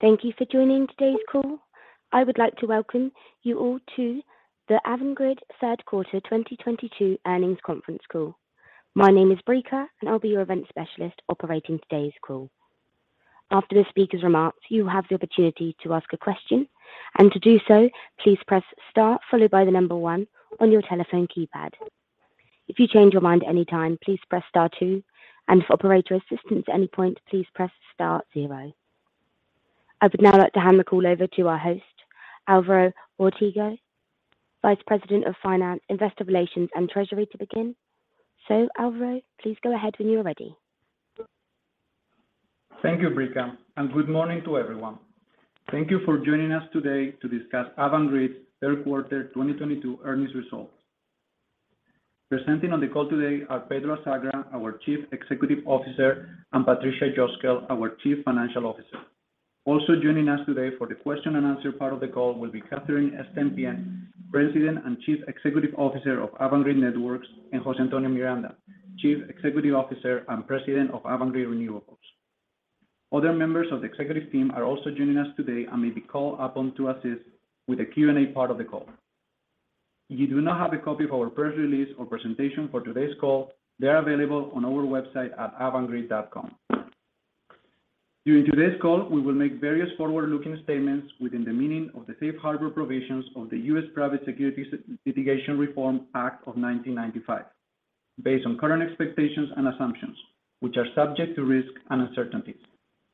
Thank you for joining today's call. I would like to welcome you all to the Avangrid third quarter 2022 earnings conference call. My name is Brica, and I'll be your event specialist operating today's call. After the speaker's remarks, you have the opportunity to ask a question. To do so, please press star followed by the number one on your telephone keypad. If you change your mind at any time, please press star two. For operator assistance at any point, please press star zero. I would now like to hand the call over to our host, Alvaro Ortega, Vice President of Finance, Investor Relations, and Treasury, to begin. Alvaro, please go ahead when you're ready. Thank you, Brica, and good morning to everyone. Thank you for joining us today to discuss Avangrid third quarter 2022 earnings results. Presenting on the call today are Pedro Azagra, our Chief Executive Officer, and Patricia Cosgel, our Chief Financial Officer. Also joining us today for the question-and-answer part of the call will be Catherine Stempien, President and Chief Executive Officer of Avangrid Networks, and José Antonio Miranda, Chief Executive Officer and President of Avangrid Renewables. Other members of the executive team are also joining us today and may be called upon to assist with the Q&A part of the call. If you do not have a copy of our press release or presentation for today's call, they are available on our website at avangrid.com. During today's call, we will make various forward-looking statements within the meaning of the Safe Harbor provisions of the U.S. Private Securities Litigation Reform Act of 1995. Based on current expectations and assumptions, which are subject to risk and uncertainties.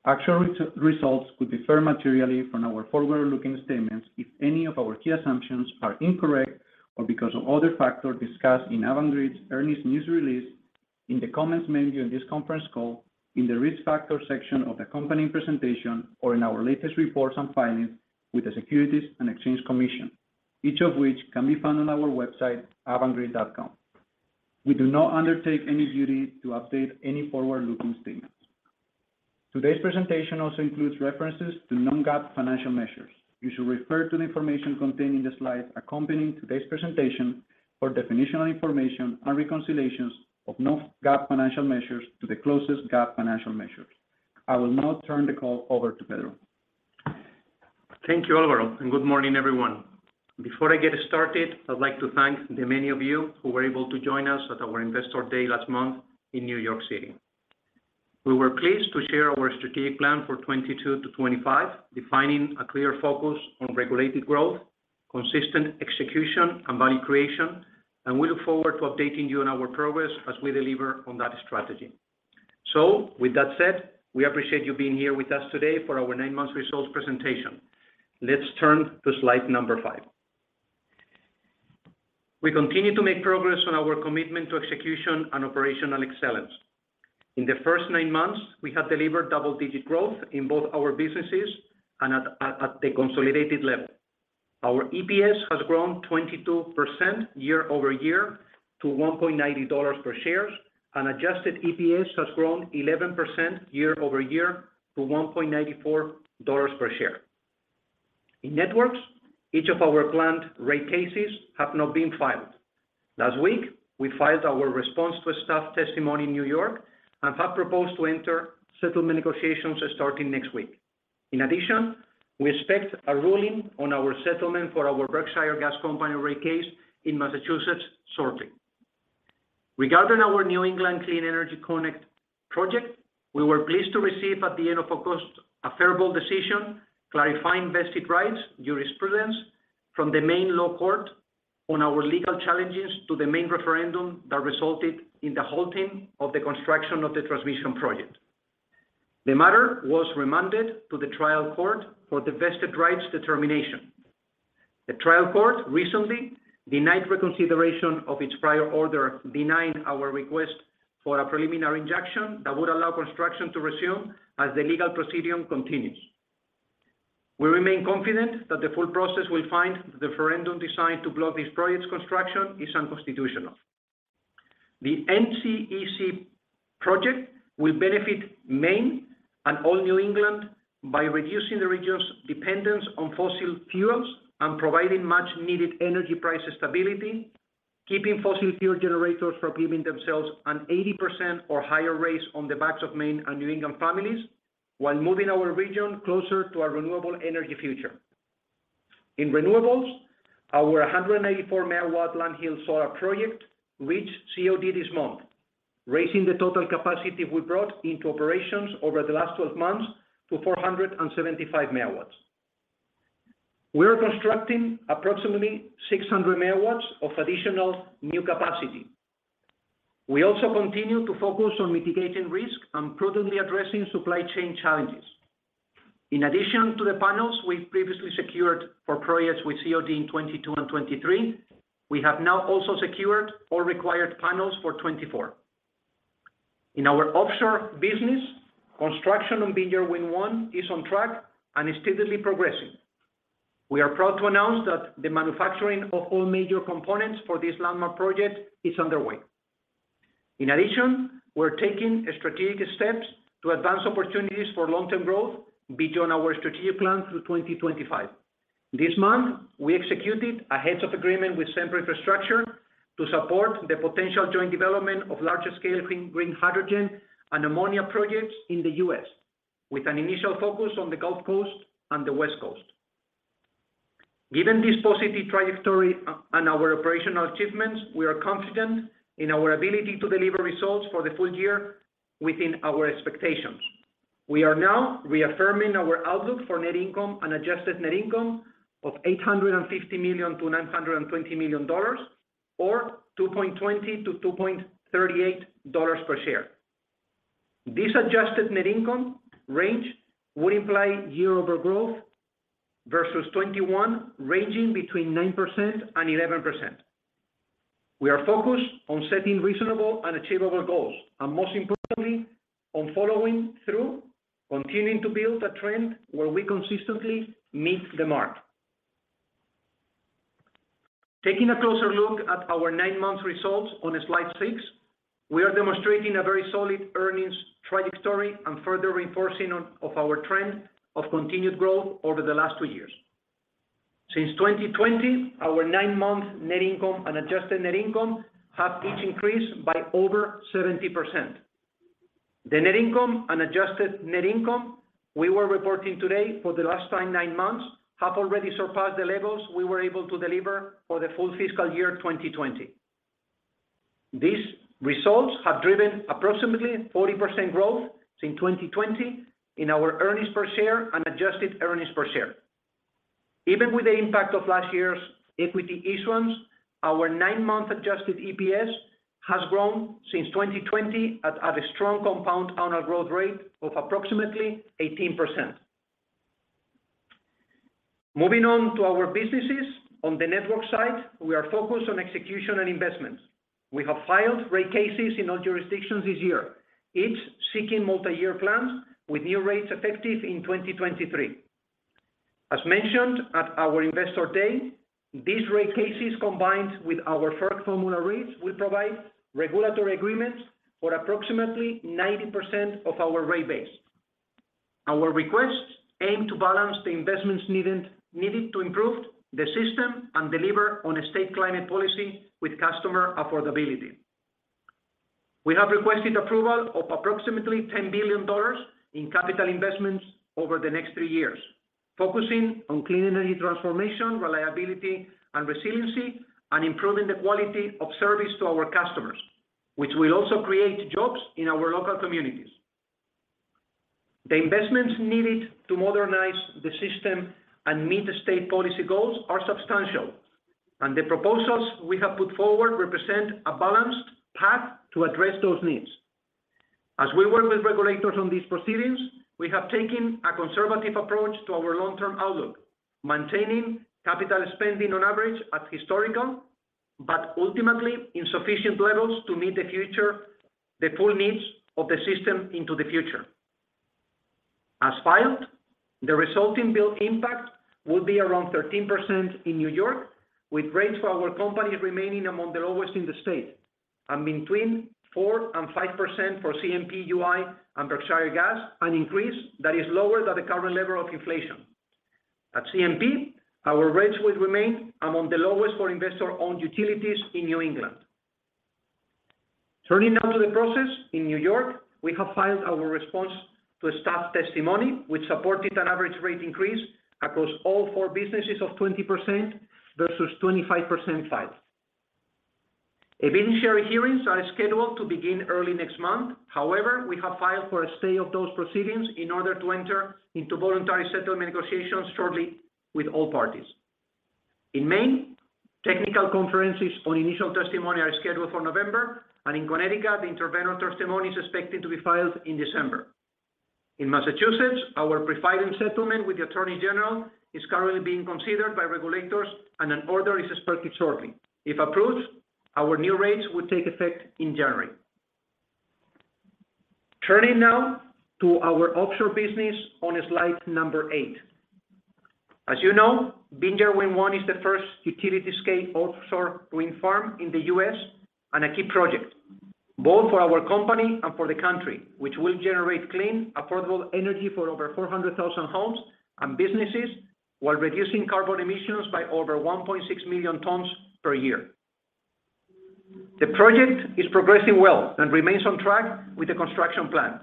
Actual results could differ materially from our forward-looking statements if any of our key assumptions are incorrect or because of other factors discussed in Avangrid's earnings news release, in the comments made during this conference call, in the Risk Factors section of the company presentation, or in our latest reports on filings with the Securities and Exchange Commission, each of which can be found on our website, avangrid.com. We do not undertake any duty to update any forward-looking statements. Today's presentation also includes references to non-GAAP financial measures. You should refer to the information contained in the slides accompanying today's presentation for definitional information and reconciliations of non-GAAP financial measures to the closest GAAP financial measures. I will now turn the call over to Pedro. Thank you, Alvaro, and good morning, everyone. Before I get started, I'd like to thank the many of you who were able to join us at our Investor Day last month in New York City. We were pleased to share our strategic plan for 2022-2025, defining a clear focus on regulated growth, consistent execution, and value creation, and we look forward to updating you on our progress as we deliver on that strategy. With that said, we appreciate you being here with us today for our nine months results presentation. Let's turn to slide number five. We continue to make progress on our commitment to execution and operational excellence. In the first nine months, we have delivered double-digit growth in both our businesses and at the consolidated level. Our EPS has grown 22% year-over-year to $1.90 per share. Adjusted EPS has grown 11% year-over-year to $1.94 per share. In networks, each of our planned rate cases have now been filed. Last week, we filed our Response to Staff testimony in New York and have proposed to enter settlement negotiations starting next week. In addition, we expect a ruling on our settlement for our Berkshire Gas Company rate case in Massachusetts shortly. Regarding our New England Clean Energy Connect project, we were pleased to receive at the end of August a favorable decision clarifying vested rights jurisprudence from the Maine Law Court on our legal challenges to the Maine referendum that resulted in the halting of the construction of the transmission project. The matter was remanded to the Trial Court for the vested rights determination. The Trial Court recently denied reconsideration of its prior order, denying our request for a preliminary injunction that would allow construction to resume as the legal proceeding continues. We remain confident that the full process will find the referendum designed to block this project's construction is unconstitutional. The NECEC project will benefit Maine and all New England by reducing the region's dependence on fossil fuels and providing much-needed energy price stability, keeping fossil fuel generators from giving themselves an 80% or higher raise on the backs of Maine and New England families, while moving our region closer to a renewable energy future. In renewables, our 184-MW Lund Hill Solar project reached COD this month, raising the total capacity we brought into operations over the last 12 months to 475 MW. We are constructing approximately 600 MW of additional new capacity. We also continue to focus on mitigating risk and prudently addressing supply chain challenges. In addition to the panels we've previously secured for projects with COD in 2022 and 2023, we have now also secured all required panels for 2024. In our offshore business, construction on Vineyard Wind 1 is on track and is steadily progressing. We are proud to announce that the manufacturing of all major components for this landmark project is underway. In addition, we're taking strategic steps to advance opportunities for long-term growth beyond our strategic plan through 2025. This month, we executed a Heads of Agreement with Sempra Infrastructure to support the potential joint development of larger scale green hydrogen and ammonia projects in the U.S., with an initial focus on the Gulf Coast and the West Coast. Given this positive trajectory and our operational achievements, we are confident in our ability to deliver results for the full year within our expectations. We are now reaffirming our outlook for net income and adjusted net income of $850 million-$920 million or $2.20-$2.38 per share. This adjusted net income range would imply year-over-year growth versus 2021, ranging between 9% and 11%. We are focused on setting reasonable and achievable goals, and most importantly, on following through, continuing to build a trend where we consistently meet the mark. Taking a closer look at our nine-month results on slide six, we are demonstrating a very solid earnings trajectory and further reinforcing of our trend of continued growth over the last two years. Since 2020, our nine-month net income and adjusted net income have each increased by over 70%. The net income and adjusted net income we were reporting today for the last nine months have already surpassed the levels we were able to deliver for the full fiscal year 2020. These results have driven approximately 40% growth since 2020 in our earnings per share and adjusted earnings per share. Even with the impact of last year's equity issuance, our nine-month adjusted EPS has grown since 2020 at a strong compound annual growth rate of approximately 18%. Moving on to our businesses. On the network side, we are focused on execution and investments. We have filed rate cases in all jurisdictions this year, each seeking multi-year plans with new rates effective in 2023. As mentioned at our Investor Day, these rate cases, combined with our FERC formula rates, will provide regulatory agreements for approximately 90% of our rate base. Our requests aim to balance the investments needed to improve the system and deliver on a state climate policy with customer affordability. We have requested approval of approximately $10 billion in capital investments over the next three years, focusing on clean energy transformation, reliability and resiliency, and improving the quality of service to our customers, which will also create jobs in our local communities. The investments needed to modernize the system and meet state policy goals are substantial, and the proposals we have put forward represent a balanced path to address those needs. As we work with regulators on these proceedings, we have taken a conservative approach to our long-term outlook, maintaining capital spending on average at historical, but ultimately insufficient levels to meet the full needs of the system into the future. As filed, the resulting bill impact will be around 13% in New York, with rates for our company remaining among the lowest in the state, and between 4% and 5% for CMP, UI, and Berkshire Gas, an increase that is lower than the current level of inflation. At CMP, our rates will remain among the lowest for investor-owned utilities in New England. Turning now to the process. In New York, we have filed our response to a staff testimony, which supported an average rate increase across all four businesses of 20% versus 25% filed. Evidentiary hearings are scheduled to begin early next month. However, we have filed for a stay of those proceedings in order to enter into voluntary settlement negotiations shortly with all parties. In Maine, technical conferences on initial testimony are scheduled for November. In Connecticut, the intervener testimony is expected to be filed in December. In Massachusetts, our pre-filing settlement with the attorney general is currently being considered by regulators, and an order is expected shortly. If approved, our new rates would take effect in January. Turning now to our offshore business on slide eight. As you know, Vineyard Wind 1 is the first utility-scale offshore wind farm in the U.S. and a key project, both for our company and for the country, which will generate clean, affordable energy for over 400,000 homes and businesses while reducing carbon emissions by over 1.6 million tons per year. The project is progressing well and remains on track with the construction plan.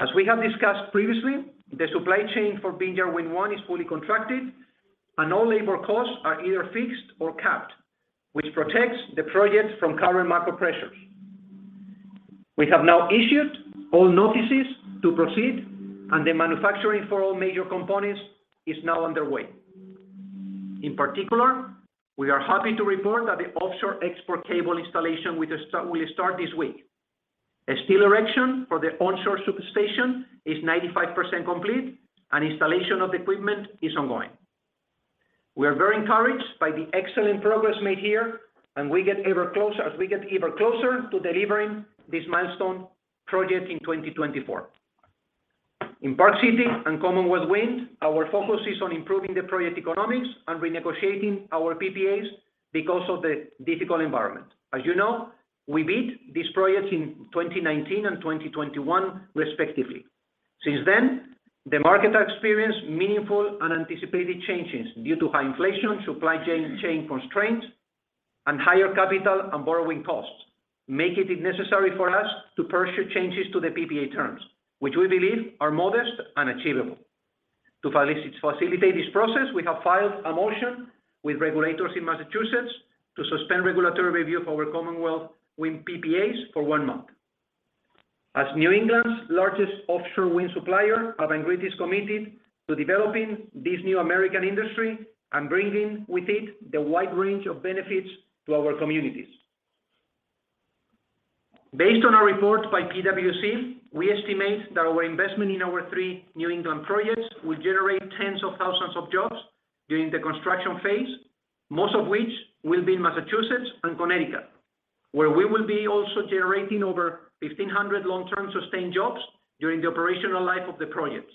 As we have discussed previously, the supply chain for Vineyard Wind 1 is fully contracted and all labor costs are either fixed or capped, which protects the project from current macro pressures. We have now issued all notices to proceed, and the manufacturing for all major components is now underway. In particular, we are happy to report that the offshore export cable installation will start this week. Steel erection for the onshore substation is 95% complete, and installation of equipment is ongoing. We are very encouraged by the excellent progress made here, and we get ever closer to delivering this milestone project in 2024. In Park City Wind and Commonwealth Wind, our focus is on improving the project economics and renegotiating our PPAs because of the difficult environment. As you know, we bid these projects in 2019 and 2021 respectively. Since then, the market experienced meaningful unanticipated changes due to high inflation, supply chain constraints, and higher capital and borrowing costs, making it necessary for us to pursue changes to the PPA terms, which we believe are modest and achievable. To facilitate this process, we have filed a motion with regulators in Massachusetts to suspend regulatory review of our Commonwealth Wind PPAs for one month. As New England's largest offshore wind supplier, Avangrid is committed to developing this new American industry and bringing with it the wide range of benefits to our communities. Based on our report by PwC, we estimate that our investment in our three New England projects will generate tens of thousands of jobs during the construction phase, most of which will be in Massachusetts and Connecticut, where we will be also generating over 1,500 long-term sustained jobs during the operational life of the projects.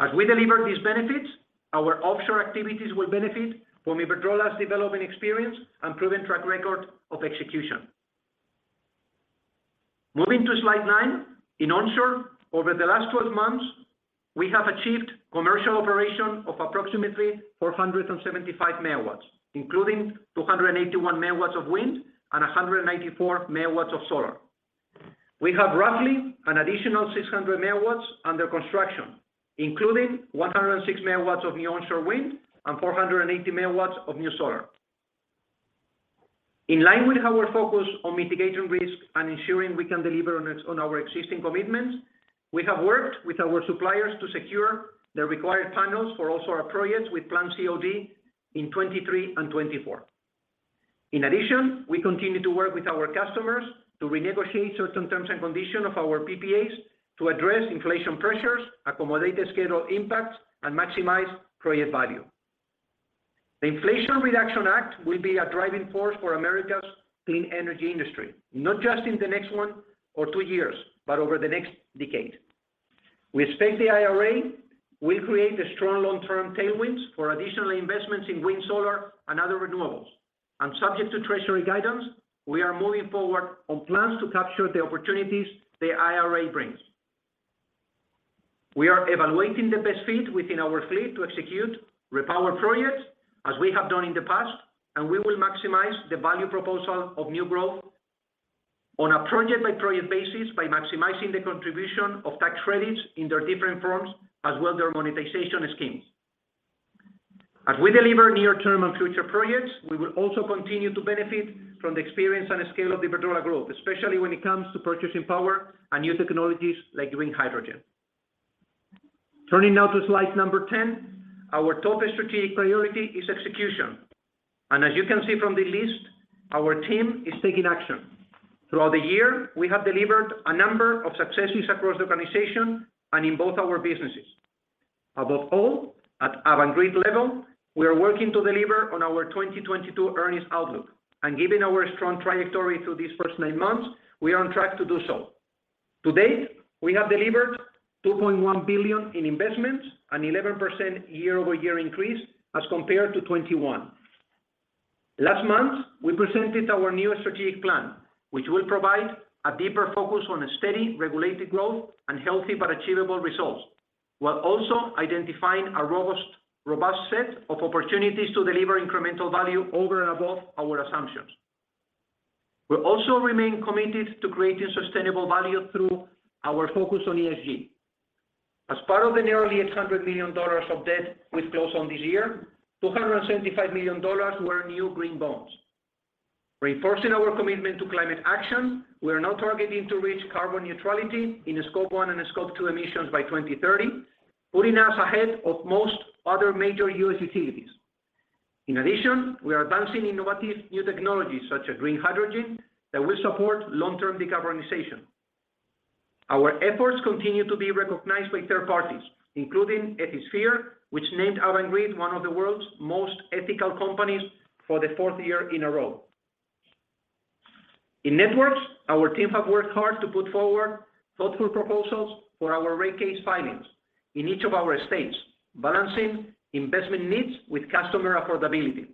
As we deliver these benefits, our offshore activities will benefit from Iberdrola's development experience and proven track record of execution. Moving to slide nine. In onshore, over the last 12 months, we have achieved commercial operation of approximately 475 MW, including 281 MW of wind and 194 MW of solar. We have roughly an additional 600 MW under construction, including 106 MW of new onshore wind and 480 MW of new solar. In line with our focus on mitigating risk and ensuring we can deliver on our existing commitments, we have worked with our suppliers to secure the required panels for all solar projects with planned COD in 2023 and 2024. In addition, we continue to work with our customers to renegotiate certain terms and conditions of our PPAs to address inflation pressures, accommodate the schedule impacts, and maximize project value. The Inflation Reduction Act will be a driving force for America's clean energy industry, not just in the next one or two years, but over the next decade. We expect the IRA will create a strong long-term tailwinds for additional investments in wind, solar, and other renewables. Subject to Treasury guidance, we are moving forward on plans to capture the opportunities the IRA brings. We are evaluating the best fit within our fleet to execute repower projects as we have done in the past, and we will maximize the value proposal of new growth on a project-by-project basis by maximizing the contribution of tax credits in their different forms, as well their monetization schemes. As we deliver near-term and future projects, we will also continue to benefit from the experience and scale of Iberdrola Group, especially when it comes to purchasing power and new technologies like green hydrogen. Turning now to slide number 10. Our top strategic priority is execution. As you can see from the list, our team is taking action. Throughout the year, we have delivered a number of successes across the organization and in both our businesses. Above all, at Avangrid level, we are working to deliver on our 2022 earnings outlook. Given our strong trajectory through these first nine months, we are on track to do so. To date, we have delivered $2.1 billion in investments, an 11% year-over-year increase as compared to 2021. Last month, we presented our new strategic plan, which will provide a deeper focus on a steady regulated growth and healthy but achievable results, while also identifying a robust set of opportunities to deliver incremental value over and above our assumptions. We also remain committed to creating sustainable value through our focus on ESG. As part of the nearly $800 million of debt, which close on this year, $275 million were new green bonds. Reinforcing our commitment to climate action, we are now targeting to reach carbon neutrality in a scope one and a scope two emissions by 2030, putting us ahead of most other major U.S. utilities. In addition, we are advancing innovative new technologies such as green hydrogen that will support long-term decarbonization. Our efforts continue to be recognized by third parties, including Ethisphere, which named Avangrid one of the world's most ethical companies for the fourth year in a row. In networks, our team have worked hard to put forward thoughtful proposals for our rate case filings in each of our states, balancing investment needs with customer affordability.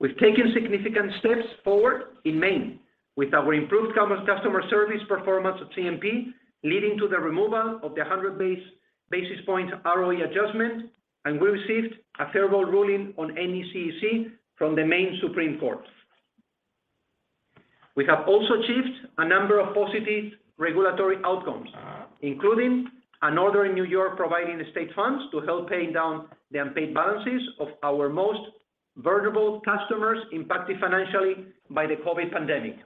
We've taken significant steps forward in Maine with our improved customer service performance at CMP, leading to the removal of the 100 basis points ROE adjustment, and we received a favorable ruling on NECEC from the Maine Supreme Court. We have also achieved a number of positive regulatory outcomes, including an order in New York providing state funds to help pay down the unpaid balances of our most vulnerable customers impacted financially by the COVID pandemic.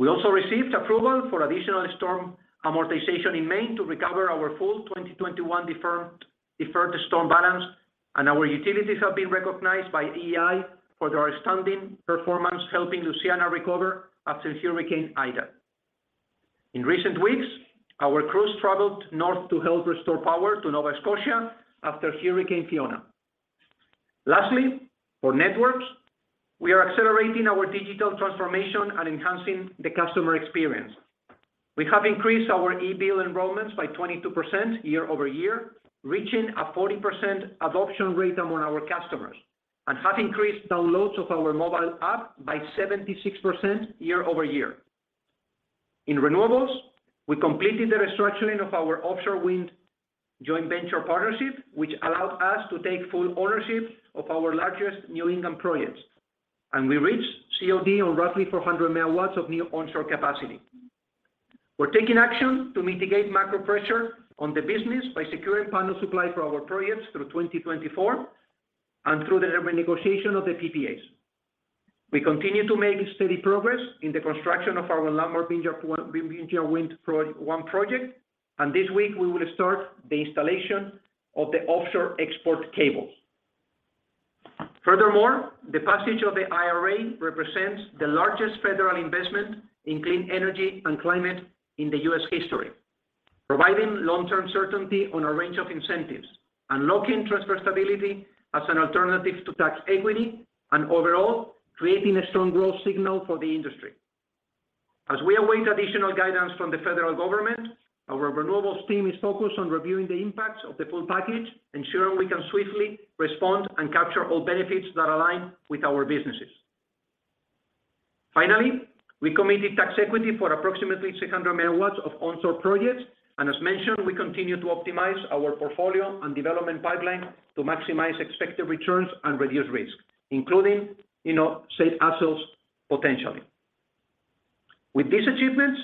We also received approval for additional storm amortization in Maine to recover our full 2021 deferred storm balance, and our utilities have been recognized by EEI for their outstanding performance, helping Louisiana recover after Hurricane Ida. In recent weeks, our crews traveled north to help restore power to Nova Scotia after Hurricane Fiona. Lastly, for networks, we are accelerating our digital transformation and enhancing the customer experience. We have increased our e-bill enrollments by 22% year-over-year, reaching a 40% adoption rate among our customers and have increased downloads of our mobile app by 76% year-over-year. In renewables, we completed the restructuring of our offshore wind joint venture partnership, which allowed us to take full ownership of our largest new income projects. We reached COD on roughly 400 MW of new onshore capacity. We're taking action to mitigate macro pressure on the business by securing panel supply for our projects through 2024 and through the renegotiation of the PPAs. We continue to make steady progress in the construction of our Vineyard Wind 1 project, and this week we will start the installation of the offshore export cable. Furthermore, the passage of the IRA represents the largest federal investment in clean energy and climate in the U.S. history, providing long-term certainty on a range of incentives and locking transferability as an alternative to tax equity and overall, creating a strong growth signal for the industry. As we await additional guidance from the federal government, our renewables team is focused on reviewing the impacts of the full package, ensuring we can swiftly respond and capture all benefits that align with our businesses. Finally, we committed tax equity for approximately 600 MW of onshore projects. As mentioned, we continue to optimize our portfolio and development pipeline to maximize expected returns and reduce risk, including, you know, safe assets potentially. With these achievements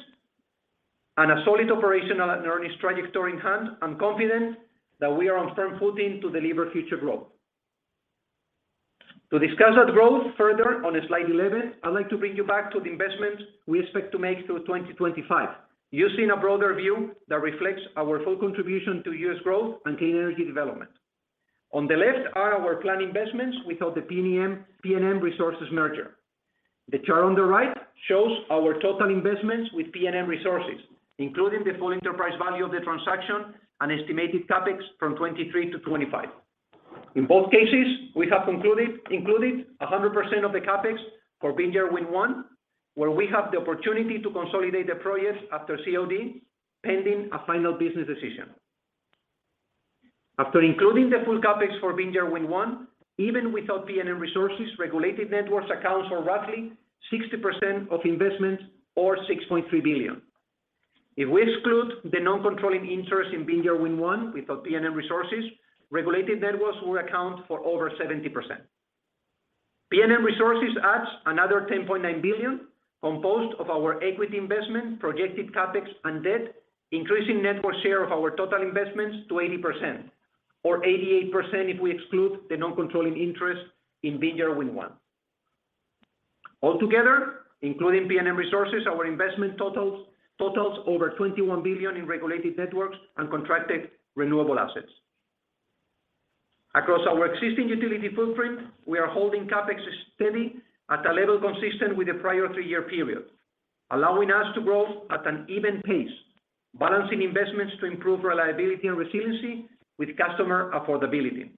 and a solid operational and earnings trajectory in hand, I'm confident that we are on firm footing to deliver future growth. To discuss that growth further on slide 11, I'd like to bring you back to the investments we expect to make through 2025. Using a broader view that reflects our full contribution to U.S. growth and clean energy development. On the left are our planned investments without the PNM Resources merger. The chart on the right shows our total investments with PNM Resources, including the full enterprise value of the transaction and estimated CapEx from 2023-2025. In both cases, we have included 100% of the CapEx for Vineyard Wind 1, where we have the opportunity to consolidate the projects after COD, pending a final business decision. After including the full CapEx for Vineyard Wind 1, even without PNM Resources, regulated networks account for roughly 60% of investments or $6.3 billion. If we exclude the non-controlling interest in Vineyard Wind 1 without PNM Resources, regulated networks will account for over 70%. PNM Resources adds another $10.9 billion, composed of our equity investment, projected CapEx, and debt, increasing net share of our total investments to 80% or 88% if we exclude the non-controlling interest in Vineyard Wind 1. Altogether, including PNM Resources, our investment totals over $21 billion in regulated networks and contracted renewable assets. Across our existing utility footprint, we are holding CapEx steady at a level consistent with the prior three-year period, allowing us to grow at an even pace, balancing investments to improve reliability and resiliency with customer affordability.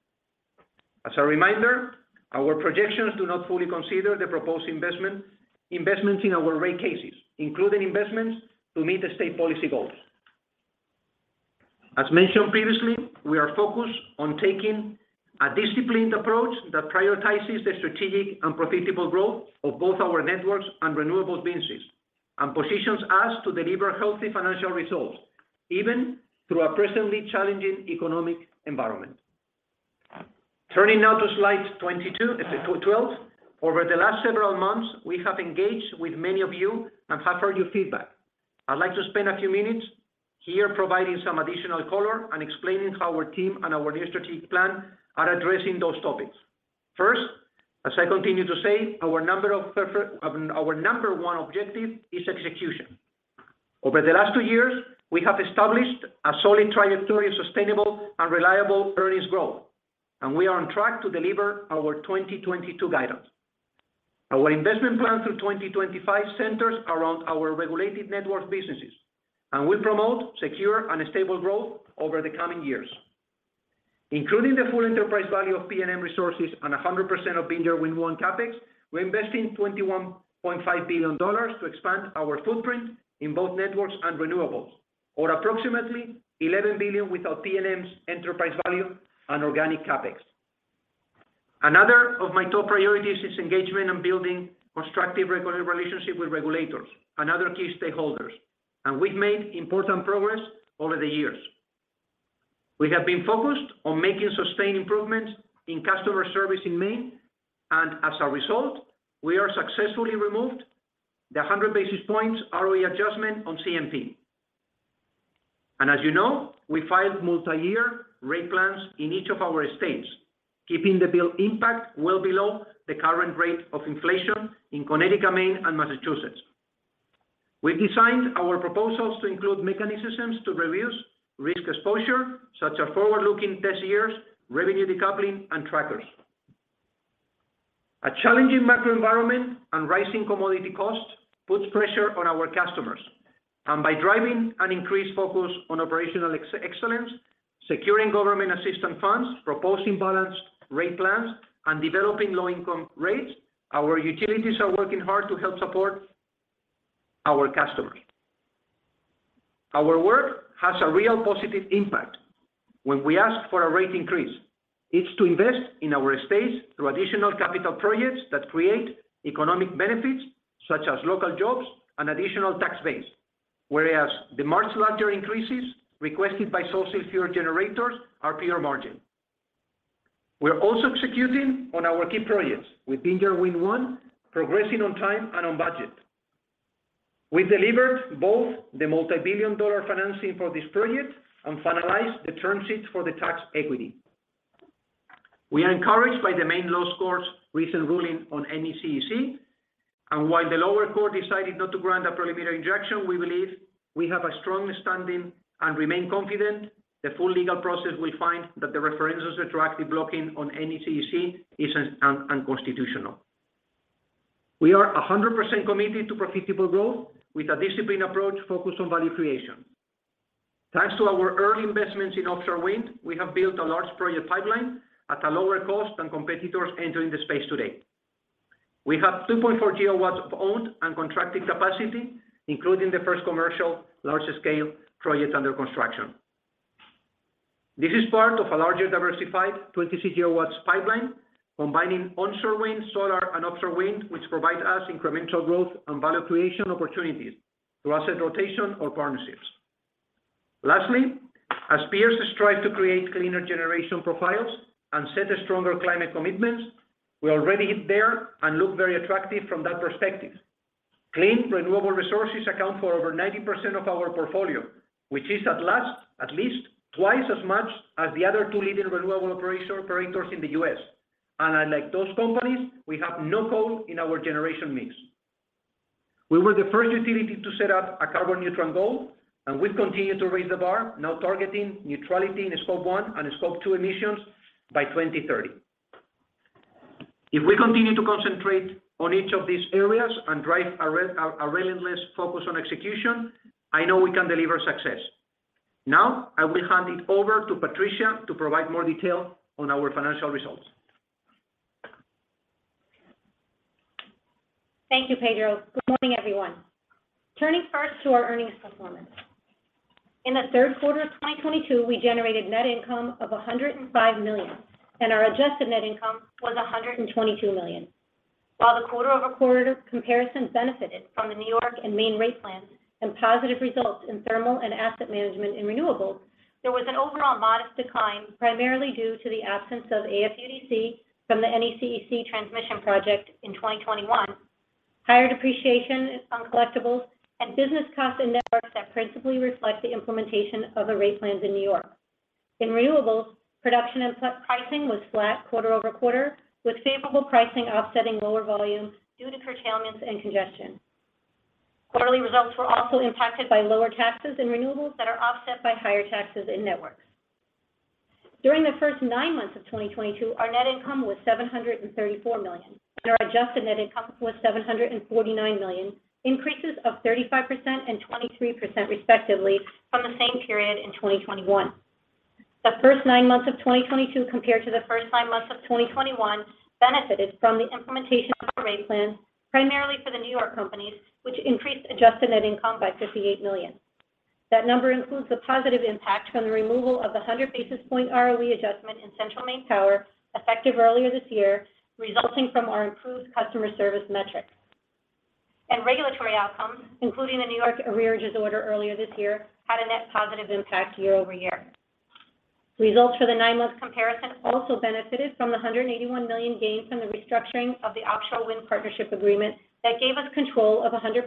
As a reminder, our projections do not fully consider the proposed investment, investments in our rate cases, including investments to meet the state policy goals. As mentioned previously, we are focused on taking a disciplined approach that prioritizes the strategic and profitable growth of both our networks and renewables businesses, and positions us to deliver healthy financial results, even through a presently challenging economic environment. Turning now to slide 12. Over the last several months, we have engaged with many of you and have heard your feedback. I'd like to spend a few minutes here providing some additional color and explaining how our team and our new strategic plan are addressing those topics. First, as I continue to say, our number one objective is execution. Over the last two years, we have established a solid trajectory of sustainable and reliable earnings growth, and we are on track to deliver our 2022 guidance. Our investment plan through 2025 centers around our regulated network businesses, and will promote secure and stable growth over the coming years. Including the full enterprise value of PNM Resources and 100% of Vineyard Wind 1 CapEx, we're investing $21.5 billion to expand our footprint in both networks and renewables or approximately $11 billion without PNM's enterprise value and organic CapEx. Another of my top priorities is engagement and building constructive regulatory relationship with regulators and other key stakeholders. We've made important progress over the years. We have been focused on making sustained improvements in customer service in Maine. As a result, we have successfully removed the 100 basis points ROE adjustment on CMP. As you know, we filed multi-year rate plans in each of our states, keeping the bill impact well below the current rate of inflation in Connecticut, Maine, and Massachusetts. We designed our proposals to include mechanisms to reduce risk exposure, such as forward-looking test years, revenue decoupling, and trackers. A challenging macro environment and rising commodity costs puts pressure on our customers. By driving an increased focus on operational excellence, securing government assistance funds, proposing balanced rate plans, and developing low-income rates, our utilities are working hard to help support our customers. Our work has a real positive impact. When we ask for a rate increase, it's to invest in our space through additional capital projects that create economic benefits, such as local jobs and additional tax base. Whereas the much larger increases requested by fossil fuel generators are pure margin. We're also executing on our key projects, with Vineyard Wind 1 progressing on time and on budget. We delivered both the multi-billion dollar financing for this project and finalized the term sheet for the tax equity. We are encouraged by the Maine Law Court's recent ruling on NECEC, and while the lower court decided not to grant a preliminary injunction, we believe we have a strong standing and remain confident the full legal process will find that the referendums that are actually blocking the NECEC is unconstitutional. We are 100% committed to profitable growth with a disciplined approach focused on value creation. Thanks to our early investments in offshore wind, we have built a large project pipeline at a lower cost than competitors entering the space today. We have 2.4 GW of owned and contracted capacity, including the first commercial large-scale project under construction. This is part of a larger diversified 20 GW pipeline, combining onshore wind, solar, and offshore wind, which provide us incremental growth and value creation opportunities through asset rotation or partnerships. Lastly, as peers strive to create cleaner generation profiles and set stronger climate commitments, we're already there and look very attractive from that perspective. Clean, renewable resources account for over 90% of our portfolio, which is at least twice as much as the other two leading renewable operators in the U.S. Unlike those companies, we have no coal in our generation mix. We were the first utility to set up a carbon-neutral goal, and we've continued to raise the bar, now targeting neutrality in Scope 1 and Scope 2 emissions by 2030. If we continue to concentrate on each of these areas and drive a relentless focus on execution, I know we can deliver success. Now, I will hand it over to Patricia to provide more detail on our financial results. Thank you, Pedro. Good morning, everyone. Turning first to our earnings performance. In the third quarter of 2022, we generated net income of $105 million, and our adjusted net income was $122 million. While the quarter-over-quarter comparison benefited from the New York and Maine rate plans and positive results in thermal and asset management in renewables, there was an overall modest decline, primarily due to the absence of AFUDC from the NECEC transmission project in 2021, higher depreciation on collectibles, and business costs in networks that principally reflect the implementation of the rate plans in New York. In renewables, production and pricing was flat quarter-over-quarter, with favorable pricing offsetting lower volumes due to curtailments and congestion. Quarterly results were also impacted by lower taxes in renewables that are offset by higher taxes in networks. During the first nine months of 2022, our net income was $734 million, and our adjusted net income was $749 million, increases of 35% and 23% respectively from the same period in 2021. The first nine months of 2022 compared to the first nine months of 2021 benefited from the implementation of the rate plan, primarily for the New York companies, which increased adjusted net income by $58 million. That number includes the positive impact from the removal of the 100 basis point ROE adjustment in Central Maine Power, effective earlier this year, resulting from our improved customer service metrics. Regulatory outcomes, including the New York arrears order earlier this year, had a net positive impact year-over-year. Results for the nine-month comparison also benefited from the $181 million gained from the restructuring of the Offshore Wind Partnership Agreement that gave us control of 100%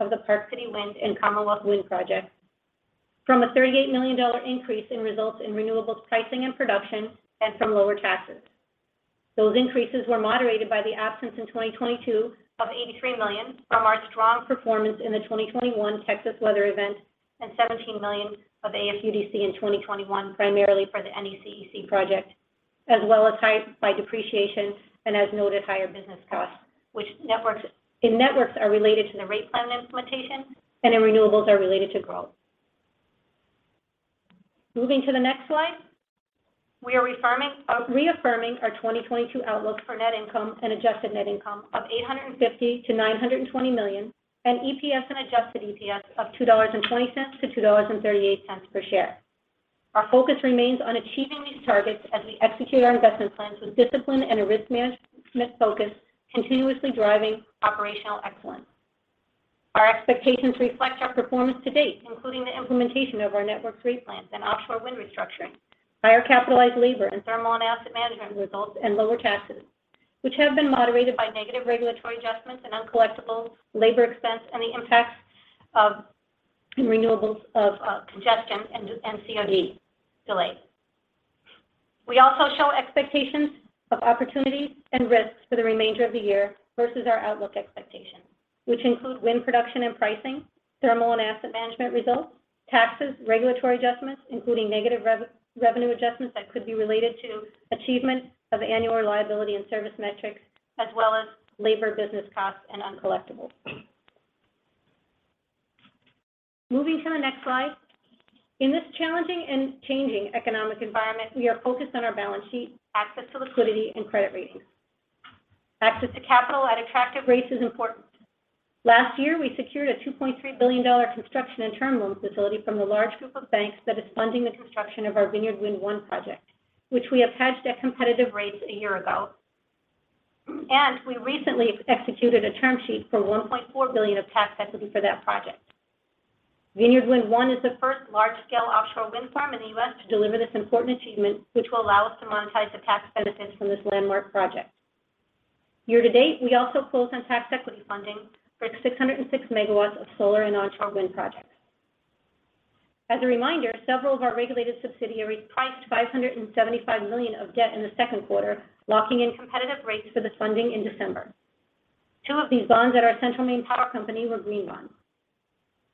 of the Park City Wind and Commonwealth Wind projects. From a $38 million increase in results in Renewables pricing and production and from lower taxes. Those increases were moderated by the absence in 2022 of $83 million from our strong performance in the 2021 Texas weather event and $17 million of AFUDC in 2021, primarily for the NECEC project, as well as by depreciation and, as noted, higher business costs, which in Networks are related to the rate plan implementation and in Renewables are related to growth. Moving to the next slide. We are reaffirming our 2022 outlook for net income and adjusted net income of $850 million-$920 million and EPS and adjusted EPS of $2.20-$2.38 per share. Our focus remains on achieving these targets as we execute our investment plans with discipline and a risk management focus, continuously driving operational excellence. Our expectations reflect our performance to date, including the implementation of our network rate plans and offshore wind restructuring, higher capitalized labor and thermal and asset management results, and lower taxes, which have been moderated by negative regulatory adjustments and uncollectibles, labor expense, and the impacts of renewables, congestion and COD delays. We also show expectations of opportunities and risks for the remainder of the year versus our outlook expectations, which include wind production and pricing, thermal and asset management results, taxes, regulatory adjustments, including negative revenue adjustments that could be related to achievement of annual reliability and service metrics, as well as labor business costs and uncollectibles. Moving to the next slide. In this challenging and changing economic environment, we are focused on our balance sheet, access to liquidity, and credit ratings. Access to capital at attractive rates is important. Last year, we secured a $2.3 billion construction and term loan facility from the large group of banks that is funding the construction of our Vineyard Wind 1 project, which we attached at competitive rates a year ago. We recently executed a term sheet for $1.4 billion of tax equity for that project. Vineyard Wind 1 is the first large-scale offshore wind farm in the U.S. to deliver this important achievement, which will allow us to monetize the tax benefits from this landmark project. Year to date, we also closed on tax equity funding for 606 MW of solar and onshore wind projects. As a reminder, several of our regulated subsidiaries priced $575 million of debt in the second quarter, locking in competitive rates for this funding in December. Two of these bonds at our Central Maine Power company were green bonds.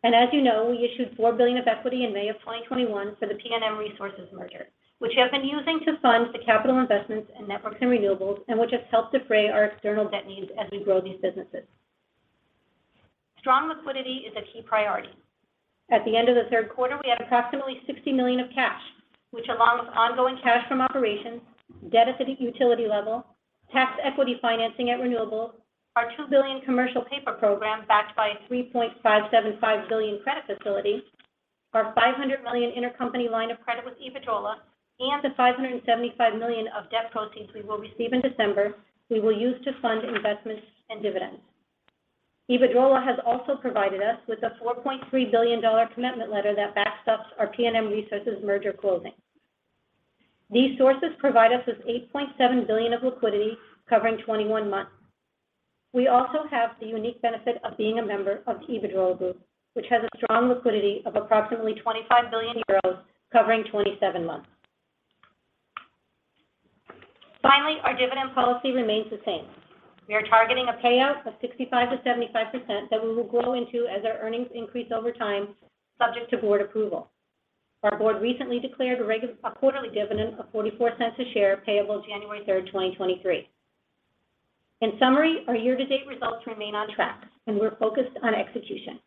As you know, we issued $4 billion of equity in May 2021 for the PNM Resources merger, which we have been using to fund the capital investments in networks and renewables, and which has helped defray our external debt needs as we grow these businesses. Strong liquidity is a key priority. At the end of the third quarter, we had approximately $60 million of cash, which along with ongoing cash from operations, debt at the utility level, tax equity financing at renewables, our $2 billion commercial paper program backed by a $3.575 billion credit facility, our $500 million intercompany line of credit with Iberdrola, and the $575 million of debt proceeds we will receive in December, we will use to fund investments and dividends. Iberdrola has also provided us with a $4.3 billion-dollar commitment letter that backstops our PNM Resources merger closing. These sources provide us with $8.7 billion of liquidity covering 21 months. We also have the unique benefit of being a member of the Iberdrola group, which has a strong liquidity of approximately 25 billion euros covering 27 months. Finally, our dividend policy remains the same. We are targeting a payout of 65%-75% that we will grow into as our earnings increase over time, subject to board approval. Our board recently declared a quarterly dividend of $0.44 a share payable January 3rd, 2023. In summary, our year-to-date results remain on track, and we're focused on execution.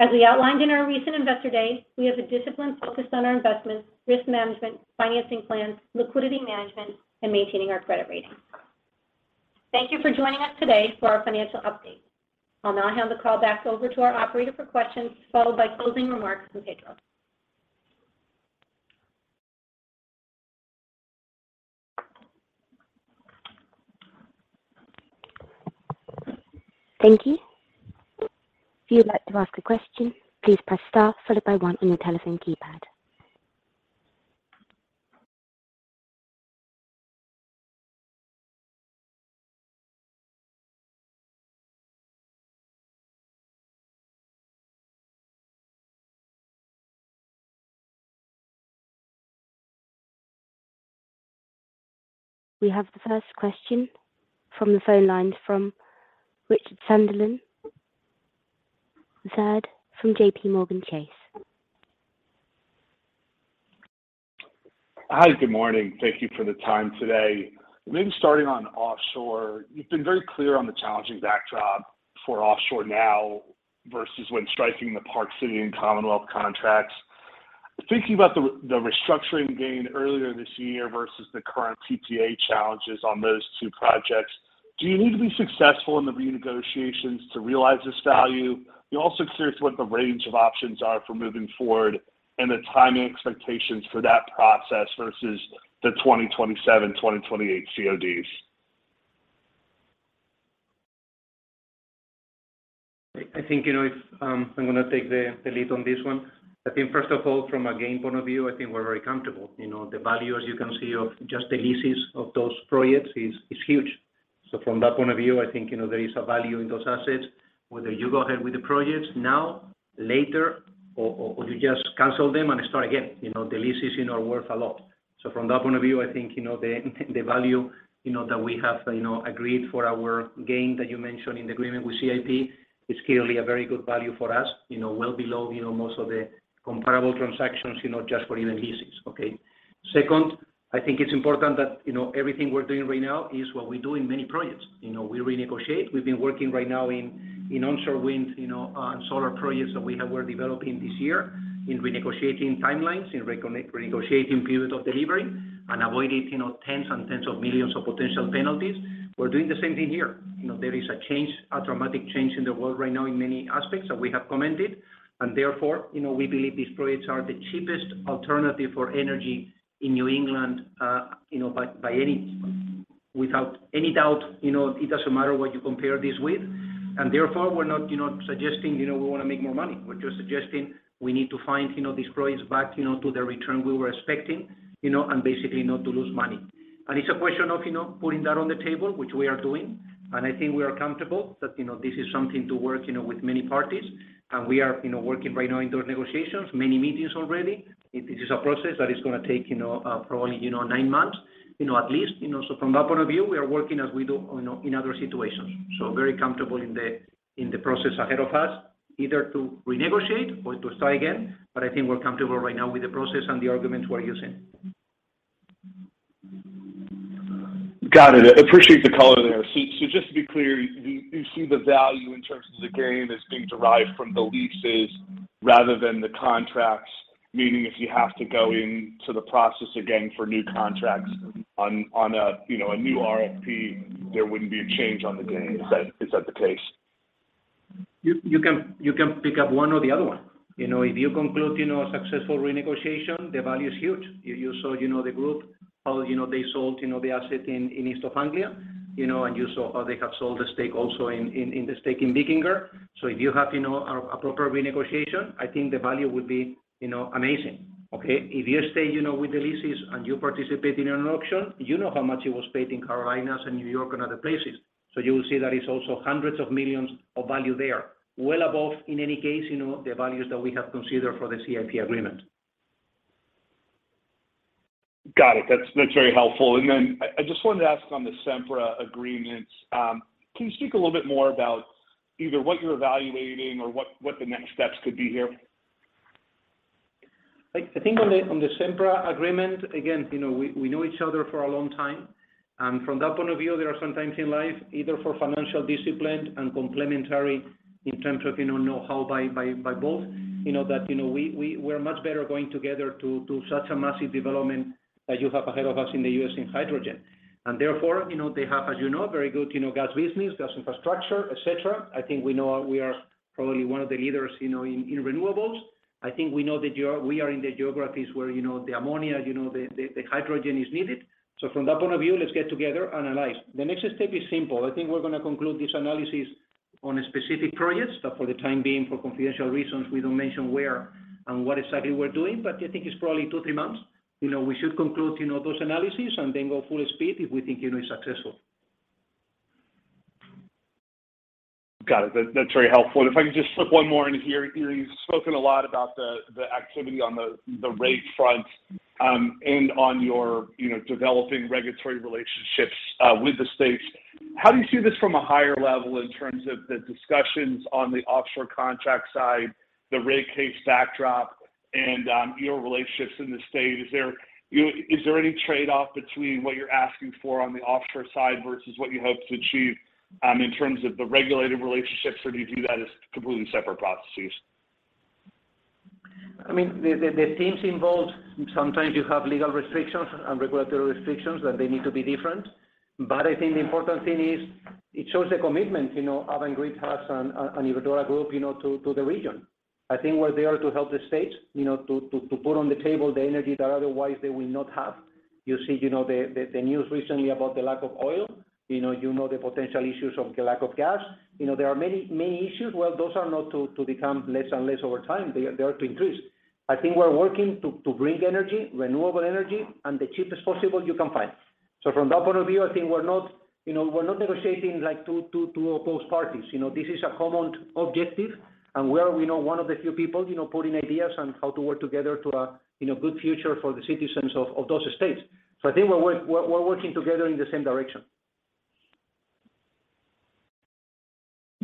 As we outlined in our recent Investor Day, we have a disciplined focus on our investments, risk management, financing plans, liquidity management, and maintaining our credit rating. Thank you for joining us today for our financial update. I'll now hand the call back over to our operator for questions, followed by closing remarks from Pedro. Thank you. If you would like to ask a question, please press star followed by one on your telephone keypad. We have the first question from the phone lines from Rich Sunderland with JPMorgan Chase. Hi, good morning. Thank you for the time today. Maybe starting on offshore. You've been very clear on the challenging backdrop for offshore now versus when striking the Park City Wind and Commonwealth Wind contracts. Thinking about the restructuring gain earlier this year versus the current PPA challenges on those two projects, do you need to be successful in the renegotiations to realize this value? I'm also curious what the range of options are for moving forward and the timing expectations for that process versus the 2027, 2028 CODs. I think you know, if I'm gonna take the lead on this one. I think first of all, from a gain point of view, I think we're very comfortable. You know, the value, as you can see, of just the leases of those projects is huge. From that point of view, I think you know, there is a value in those assets, whether you go ahead with the projects now, later, or you just cancel them and start again. You know, the leases you know, are worth a lot. From that point of view, I think, you know, the value, you know, that we have, you know, agreed for our gain that you mentioned in the agreement with CIP is clearly a very good value for us, you know, well below, you know, most of the comparable transactions, you know, just for even leases. Second, I think it's important that, you know, everything we're doing right now is what we do in many projects. You know, we renegotiate. We've been working right now in onshore wind, you know, and solar projects that we're developing this year in renegotiating timelines, renegotiating periods of delivery and avoiding, you know, tens and tens of millions of potential penalties. We're doing the same thing here. You know, there is a change, a dramatic change in the world right now in many aspects that we have commented. Therefore, you know, we believe these projects are the cheapest alternative for energy in New England, you know, by any without any doubt, you know, it doesn't matter what you compare this with. Therefore, we're not, you know, suggesting, you know, we wanna make more money. We're just suggesting we need to find, you know, these projects back, you know, to the return we were expecting, you know, and basically not to lose money. It's a question of, you know, putting that on the table, which we are doing. I think we are comfortable that, you know, this is something to work, you know, with many parties. We are, you know, working right now in those negotiations, many meetings already. This is a process that is gonna take, you know, probably, you know, nine months, you know, at least. You know, from that point of view, we are working as we do, you know, in other situations. Very comfortable in the process ahead of us, either to renegotiate or to start again. I think we're comfortable right now with the process and the arguments we're using. Got it. Appreciate the color there. Just to be clear, you see the value in terms of the gain that's being derived from the leases rather than the contracts, meaning if you have to go into the process again for new contracts on a, you know, a new RFP, there wouldn't be a change on the gain. Is that the case? You can pick up one or the other one. You know, if you conclude a successful renegotiation, the value is huge. You saw the group how they sold the asset in East Anglia, you know, and you saw how they have sold the stake also in the stake in Vineyard. So if you have a proper renegotiation, I think the value would be amazing. Okay. If you stay with the leases and you participate in an auction, you know how much it was paid in Carolinas and New York and other places. So you will see that it's also hundreds of millions of value there. Well above, in any case, you know, the values that we have considered for the CIP agreement. Got it. That's very helpful. I just wanted to ask on the Sempra agreements, can you speak a little bit more about either what you're evaluating or what the next steps could be here? Like, I think on the Sempra agreement, again, you know, we know each other for a long time. From that point of view, there are some times in life, either for financial discipline and complementary in terms of, you know-how by both, you know, that, you know, we're much better going together to such a massive development that you have ahead of us in the U.S. in hydrogen. Therefore, you know, they have, as you know, very good, you know, gas business, gas infrastructure, etc. I think we know we are probably one of the leaders, you know, in renewables. I think we know that we are in the geographies where, you know, the ammonia, you know, the hydrogen is needed. From that point of view, let's get together, analyze. The next step is simple. I think we're gonna conclude this analysis on a specific project. For the time being, for confidential reasons, we don't mention where and what exactly we're doing. I think it's probably two to three months. You know, we should conclude, you know, those analysis and then go full speed if we think, you know, it's successful. Got it. That's very helpful. If I could just slip one more in here. You've spoken a lot about the activity on the rate front, and on your, you know, developing regulatory relationships with the states. How do you see this from a higher level in terms of the discussions on the offshore contract side, the rate case backdrop, and your relationships in the state? Is there any trade-off between what you're asking for on the offshore side versus what you hope to achieve in terms of the regulated relationships, or do you view that as completely separate processes? I mean, the teams involved, sometimes you have legal restrictions and regulatory restrictions that they need to be different. I think the important thing is it shows the commitment, you know, Avangrid has and Iberdrola Group, you know, to the region. I think we're there to help the states, you know, to put on the table the energy that otherwise they will not have. You see, you know, the news recently about the lack of oil. You know the potential issues of the lack of gas. You know, there are many issues. Well, those are not to become less and less over time. They are to increase. I think we're working to bring energy, renewable energy, and the cheapest possible you can find. From that point of view, I think we're not, you know, we're not negotiating like two opposed parties. You know, this is a common objective, and we are, we know, one of the few people, you know, putting ideas on how to work together to a, you know, good future for the citizens of those states. I think we're working together in the same direction.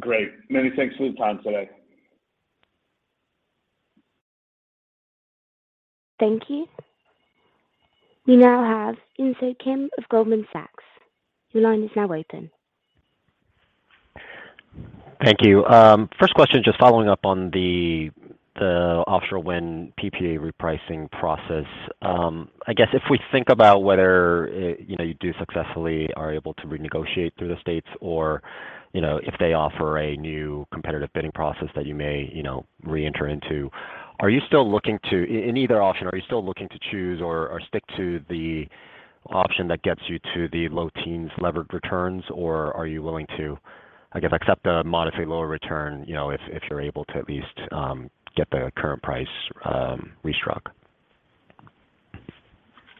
Great. Many thanks for your time today. Thank you. We now have InSoo Kim of Goldman Sachs. Your line is now open. Thank you. First question, just following up on the offshore wind PPA repricing process. I guess if we think about whether you know you do successfully are able to renegotiate through the states or you know if they offer a new competitive bidding process that you may you know reenter into, are you still looking to. In either option, are you still looking to choose or stick to the option that gets you to the low teens levered returns, or are you willing to I guess accept a modestly lower return you know if you're able to at least get the current price restruck?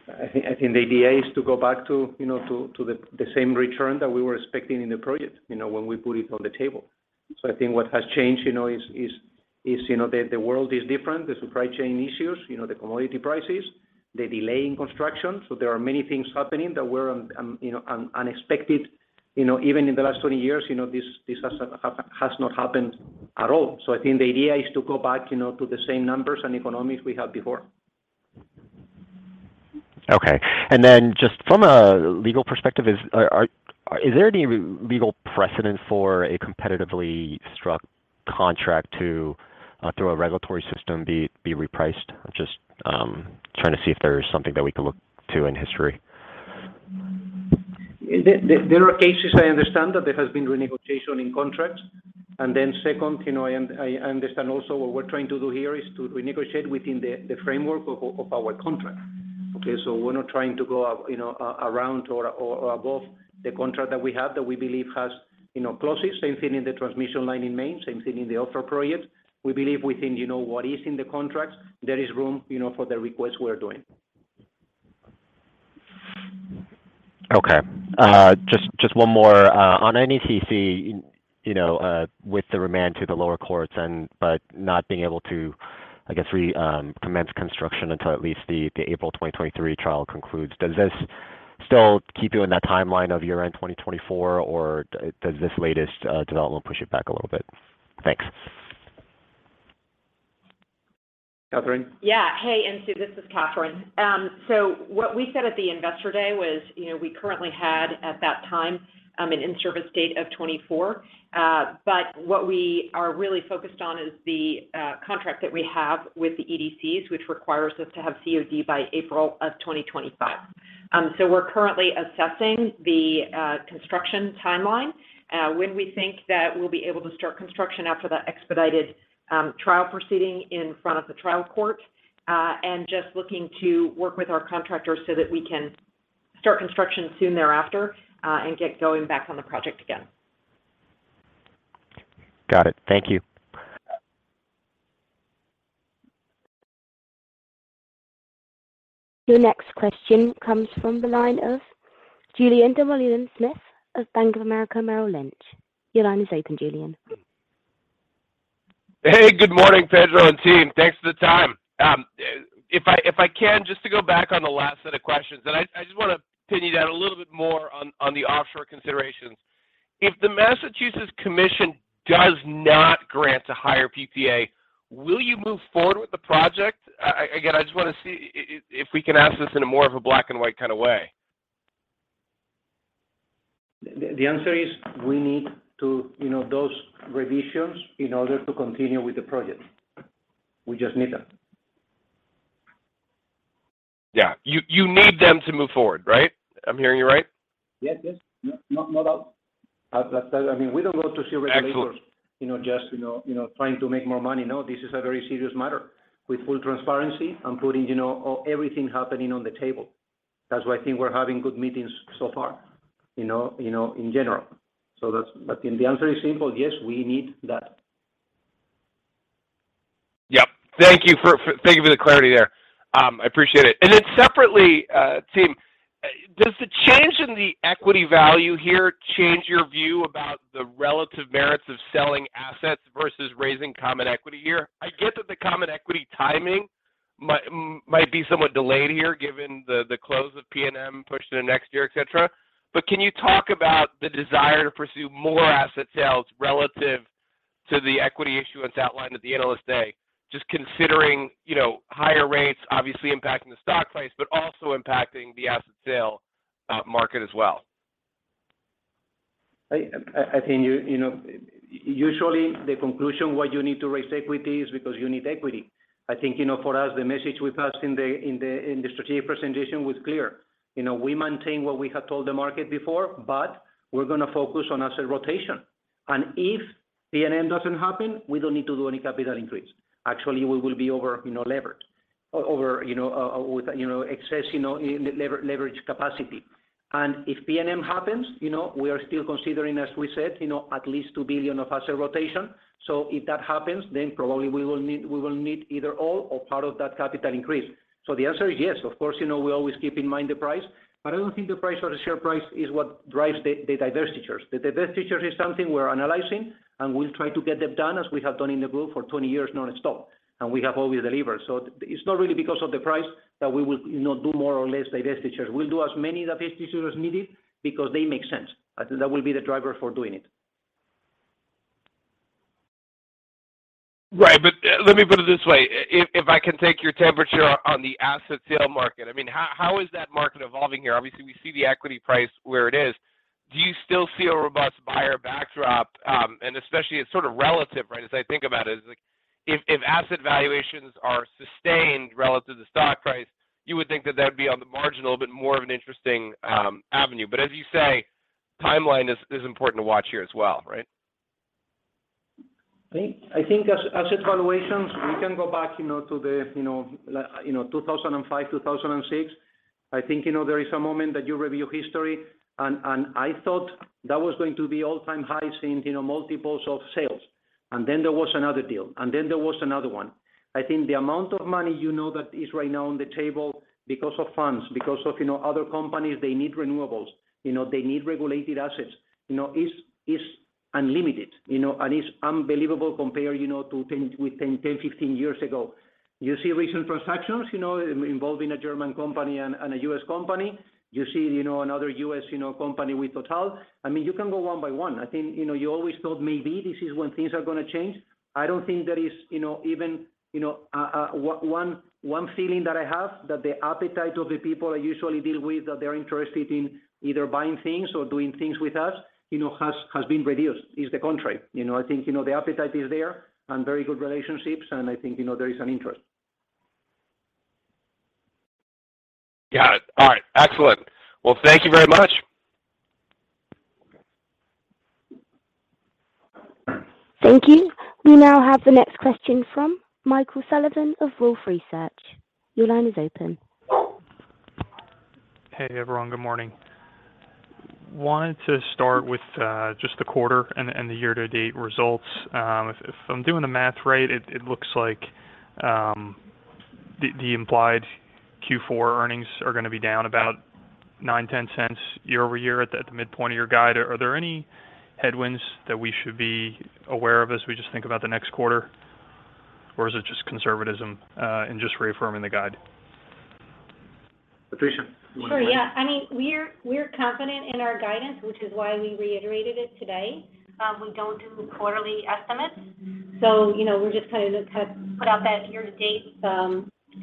I think the idea is to go back to, you know, the same return that we were expecting in the project, you know, when we put it on the table. I think what has changed, you know, is you know the world is different. The supply chain issues, you know, the commodity prices, the delay in construction. There are many things happening that were you know unexpected. You know, even in the last 20 years, you know, this has not happened at all. I think the idea is to go back, you know, to the same numbers and economics we had before. Okay. Just from a legal perspective, is there any legal precedent for a competitively struck contract to, through a regulatory system, be repriced? Just trying to see if there's something that we can look to in history. There are cases I understand that there has been renegotiation in contracts. Second, you know, I understand also what we're trying to do here is to renegotiate within the framework of our contract. Okay? We're not trying to go up, you know, around or above the contract that we have that we believe has, you know, clauses. Same thing in the transmission line in Maine, same thing in the offshore projects. We believe within, you know, what is in the contracts, there is room, you know, for the requests we are doing. Just one more. On NECEC, you know, with the remand to the lower courts and but not being able to, I guess, commence construction until at least the April 2023 trial concludes, does this still keep you in that timeline of year-end 2024, or does this latest development push it back a little bit? Thanks. Catherine? Yeah. Hey, and InSoo, this is Catherine. What we said at the Investor Day was, you know, we currently had at that time, an in-service date of 2024. What we are really focused on is the contract that we have with the EDCs, which requires us to have COD by April 2025. We're currently assessing the construction timeline, when we think that we'll be able to start construction after that expedited trial proceeding in front of the trial court, and just looking to work with our contractors so that we can start construction soon thereafter, and get going back on the project again. Got it. Thank you. Your next question comes from the line of Julien Dumoulin-Smith of Bank of America Merrill Lynch Your line is open, Julien. Hey, good morning, Pedro and team. Thanks for the time. If I can, just to go back on the last set of questions, and I just wanna pin you down a little bit more on the offshore considerations. If the Massachusetts Commission does not grant a higher PPA, will you move forward with the project? Again, I just wanna see if we can ask this in a more of a black and white kind of way. The answer is we need to, you know, those revisions in order to continue with the project. We just need them. Yeah. You need them to move forward, right? I'm hearing you right? Yes, yes. No, no doubt. As I said, I mean, we don't go to see regulators. Excellent You know, just trying to make more money. No, this is a very serious matter with full transparency and putting you know everything happening on the table. That's why I think we're having good meetings so far, you know in general. The answer is simple. Yes, we need that. Yep. Thank you for the clarity there. I appreciate it. Separately, team, does the change in the equity value here change your view about the relative merits of selling assets versus raising common equity here? I get that the common equity timing might be somewhat delayed here given the close of PNM pushed to the next year, etc. Can you talk about the desire to pursue more asset sales relative to the equity issuance outlined at the Analyst Day, just considering, you know, higher rates obviously impacting the stock price, but also impacting the asset sale market as well? I think, you know, usually, the conclusion why you need to raise equity is because you need equity. I think, you know, for us, the message we passed in the strategic presentation was clear. You know, we maintain what we had told the market before, but we're gonna focus on asset rotation. If PNM doesn't happen, we don't need to do any capital increase. Actually, we will be overlevered with excess leverage capacity. If PNM happens, you know, we are still considering, as we said, you know, at least $2 billion of asset rotation. If that happens, then probably we will need either all or part of that capital increase. The answer is yes, of course, you know, we always keep in mind the price, but I don't think the price or the share price is what drives the divestitures. The divestitures is something we're analyzing, and we'll try to get them done as we have done in the group for 20 years nonstop, and we have always delivered. It's not really because of the price that we will, you know, do more or less divestitures. We'll do as many divestitures as needed because they make sense. That will be the driver for doing it. Right. Let me put it this way. If I can take your temperature on the asset sale market, I mean, how is that market evolving here? Obviously, we see the equity price where it is. Do you still see a robust buyer backdrop? Especially, it's sort of relative, right? As I think about it's like if asset valuations are sustained relative to stock price, you would think that would be on the marginal a bit more of an interesting avenue. As you say, timeline is important to watch here as well, right? I think asset valuations, we can go back, you know, to 2005, 2006. I think, you know, there is a moment that you review history, and I thought that was going to be all-time high since, you know, multiples of sales. Then there was another deal, and then there was another one. I think the amount of money, you know, that is right now on the table because of funds, because of, you know, other companies, they need renewables, you know, they need regulated assets, you know, is unlimited, you know, and it's unbelievable compared, you know, to with 10, 15 years ago. You see recent transactions, you know, involving a German company and a U.S. company. You see, you know, another U.S. company with TotalEnergies. I mean, you can go one by one. I think, you know, you always thought maybe this is when things are gonna change. I don't think there is, you know, even, you know, one feeling that I have that the appetite of the people I usually deal with, that they're interested in either buying things or doing things with us, you know, has been reduced. It's the contrary. You know, I think, you know, the appetite is there and very good relationships, and I think, you know, there is an interest. Got it. All right. Excellent. Well, thank you very much. Thank you. We now have the next question from Michael Sullivan of Wolfe Research. Your line is open. Hey, everyone. Good morning. Wanted to start with just the quarter and the year-to-date results. If I'm doing the math right, it looks like the implied Q4 earnings are gonna be down about $0.09-$0.10 year-over-year at the midpoint of your guide. Are there any headwinds that we should be aware of as we just think about the next quarter? Or is it just conservatism and just reaffirming the guide? Patricia, you want to take that? Sure. Yeah. I mean, we're confident in our guidance, which is why we reiterated it today. We don't do quarterly estimates so, you know, we're just kinda put out that year to date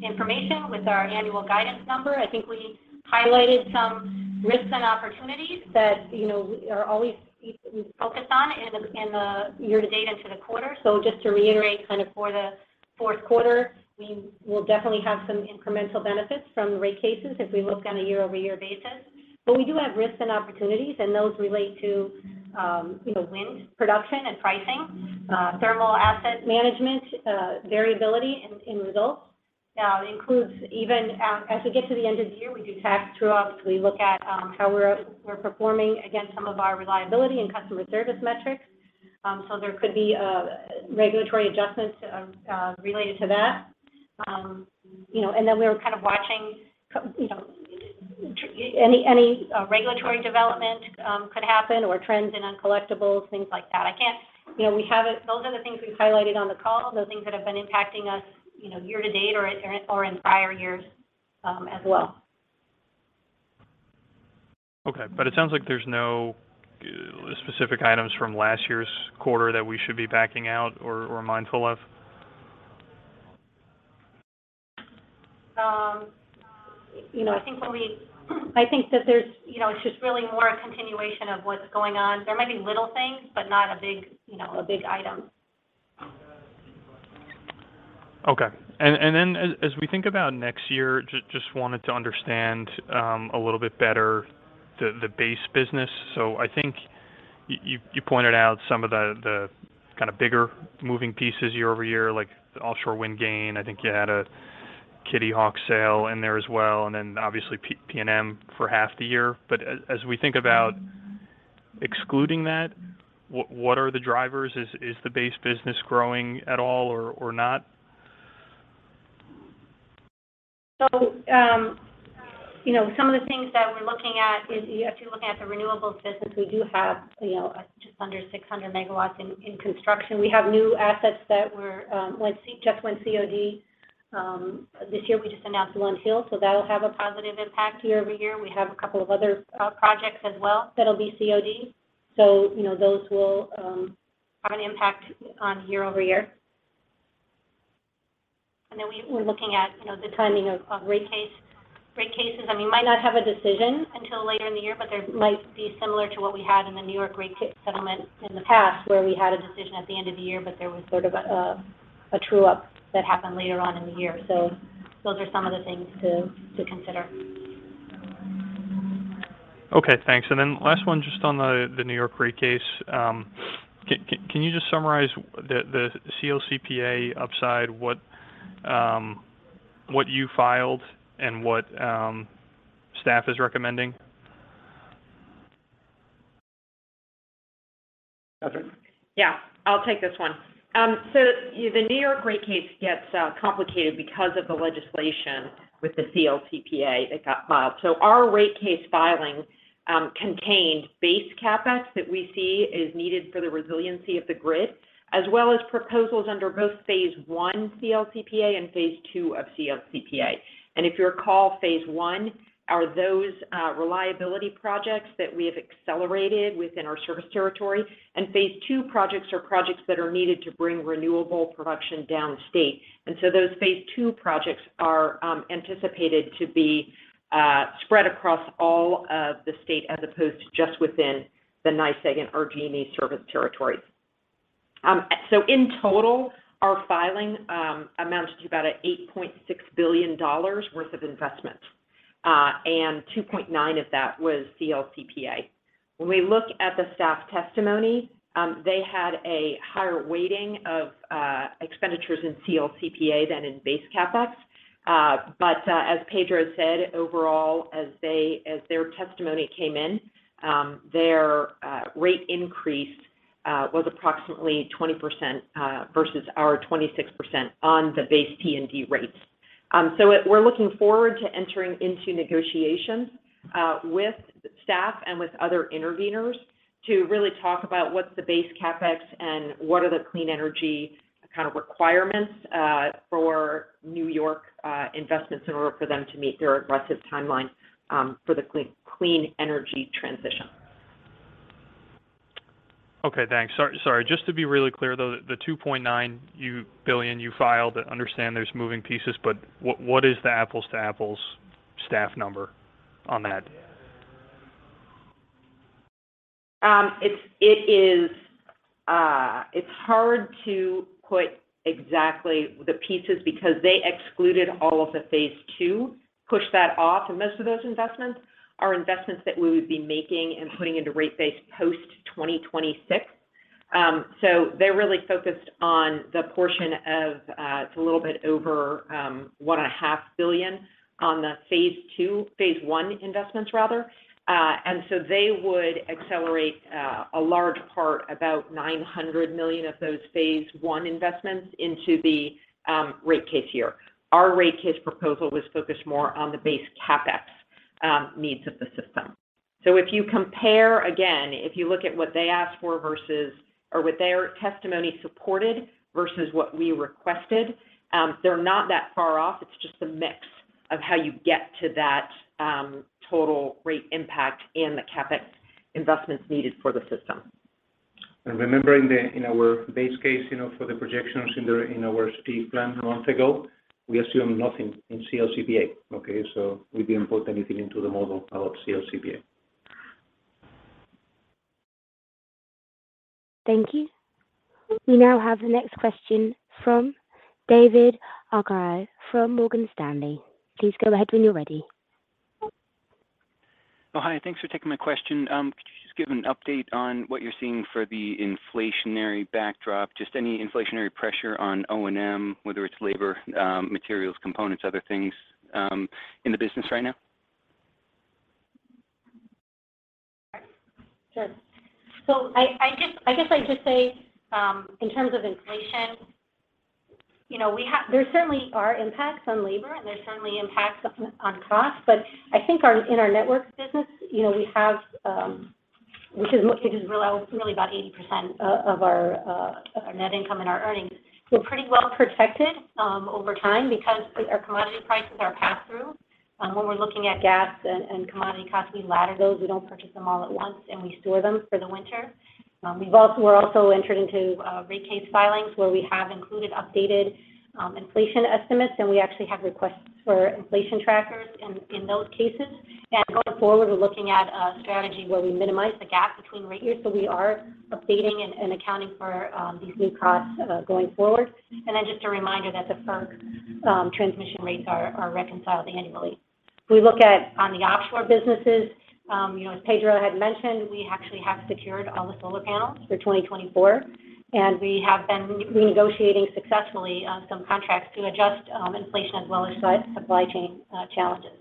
information with our annual guidance number. I think we highlighted some risks and opportunities that, you know, we are always focused on in the year to date into the quarter. Just to reiterate, kind of for the fourth quarter, we will definitely have some incremental benefits from the rate cases if we look on a year-over-year basis. We do have risks and opportunities, and those relate to, you know, wind production and pricing, thermal asset management, variability in results. It includes even as we get to the end of the year, we do tax true ups. We look at how we're performing against some of our reliability and customer service metrics. There could be regulatory adjustments related to that. You know, and then we were kind of watching, you know, any regulatory development could happen or trends in uncollectibles, things like that. Those are the things we've highlighted on the call, those things that have been impacting us, you know, year to date or in prior years, as well. Okay. It sounds like there's no specific items from last year's quarter that we should be backing out or mindful of? You know, I think that there's, you know, it's just really more a continuation of what's going on. There might be little things, but not a big, you know, a big item. Okay. Then as we think about next year, just wanted to understand a little bit better the base business. I think you pointed out some of the kind of bigger moving pieces year over year, like the offshore wind gain. I think you had a Kitty Hawk sale in there as well, and then obviously PNM for half the year. As we think about excluding that, what are the drivers? Is the base business growing at all or not? Some of the things that we're looking at is if you're looking at the renewables business, we do have, you know, just under 600 MW in construction. We have new assets that just went COD this year. We just announced Lund Hill, so that'll have a positive impact year-over-year. We have a couple of other projects as well that'll be COD. You know, those will have an impact on year-over-year. Then we're looking at, you know, the timing of rate case. Rate cases, I mean, might not have a decision until later in the year, but there might be similar to what we had in the New York rate case settlement in the past where we had a decision at the end of the year, but there was sort of a true up that happened later on in the year. Those are some of the things to consider. Okay, thanks. Last one, just on the New York rate case. Can you just summarize the CLCPA upside, what you filed and what staff is recommending? Catherine? Yeah. I'll take this one. The New York rate case gets complicated because of the legislation with the CLCPA that got filed. Our rate case filing contained base CapEx that we see is needed for the resiliency of the grid, as well as proposals under both phase I CLCPA and phase II of CLCPA. If you recall, phase I are those reliability projects that we have accelerated within our service territory, and phase II projects are projects that are needed to bring renewable production downstate. Those phase II projects are anticipated to be spread across all of the state as opposed to just within the NYSEG and RG&E service territories. In total, our filing amounted to about $8.6 billion worth of investment, and $2.9 billion of that was CLCPA. When we look at the staff testimony, they had a higher weighting of expenditures in CLCPA than in base CapEx. As Pedro said, overall, as their testimony came in, their rate increase was approximately 20% versus our 26% on the base P&D rates. We're looking forward to entering into negotiations with staff and with other interveners to really talk about what's the base CapEx and what are the clean energy kind of requirements for New York investments in order for them to meet their aggressive timeline for the clean energy transition. Okay, thanks. Sorry, just to be really clear, though, the $2.9 billion you filed, I understand there's moving pieces, but what is the apples to apples staff number on that? It's hard to put exactly the pieces because they excluded all of the phase II, pushed that off. Most of those are investments that we would be making and putting into rate base post 2026. They're really focused on the portion that's a little bit over $1.5 billion on the phase II, phase I investments rather. They would accelerate a large part, about $900 million of those phase I investments into the rate case year. Our rate case proposal was focused more on the base CapEx needs of the system. If you compare again, if you look at what they asked for versus or what their testimony supported versus what we requested, they're not that far off. It's just a mix of how you get to that, total rate impact and the CapEx investments needed for the system. Remembering, in our base case, you know, for the projections in our state plan months ago, we assume nothing in CLCPA. Okay. We didn't put anything into the model about CLCPA. Thank you. We now have the next question from David Arcaro from Morgan Stanley. Please go ahead when you're ready. Oh, hi. Thanks for taking my question. Could you just give an update on what you're seeing for the inflationary backdrop, just any inflationary pressure on O&M, whether it's labor, materials, components, other things, in the business right now? Sure. I guess I'd just say, in terms of inflation, you know, there certainly are impacts on labor, and there's certainly impacts on cost. I think in our network business, you know, we have which is really about 80% of our net income and our earnings. We're pretty well protected over time because our commodity prices are passed through. When we're looking at gas and commodity costs, we ladder those. We don't purchase them all at once, and we store them for the winter. We've also entered into rate case filings where we have included updated inflation estimates, and we actually have requests for inflation trackers in those cases. Going forward, we're looking at a strategy where we minimize the gap between rate years. We are updating and accounting for these new costs going forward. Then just a reminder that the FERC transmission rates are reconciled annually. We look at on the offshore businesses, you know, as Pedro had mentioned, we actually have secured all the solar panels for 2024, and we have been renegotiating successfully some contracts to adjust inflation as well as supply chain challenges.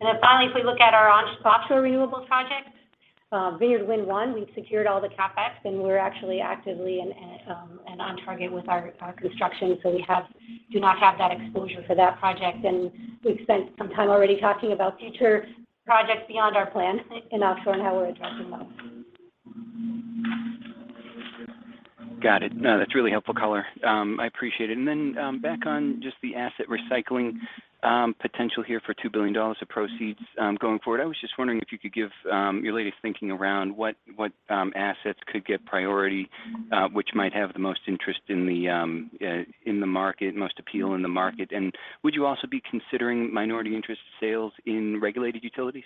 Then finally, if we look at our offshore renewables projects, Vineyard Wind 1, we've secured all the CapEx, and we're actually actively and on target with our construction. We do not have that exposure for that project. We've spent some time already talking about future projects beyond our plan in offshore and how we're addressing those. Got it. No, that's really helpful color. I appreciate it. Back on just the asset recycling, potential here for $2 billion of proceeds, going forward. I was just wondering if you could give your latest thinking around what assets could get priority, which might have the most interest in the market, most appeal in the market. Would you also be considering minority interest sales in regulated utilities?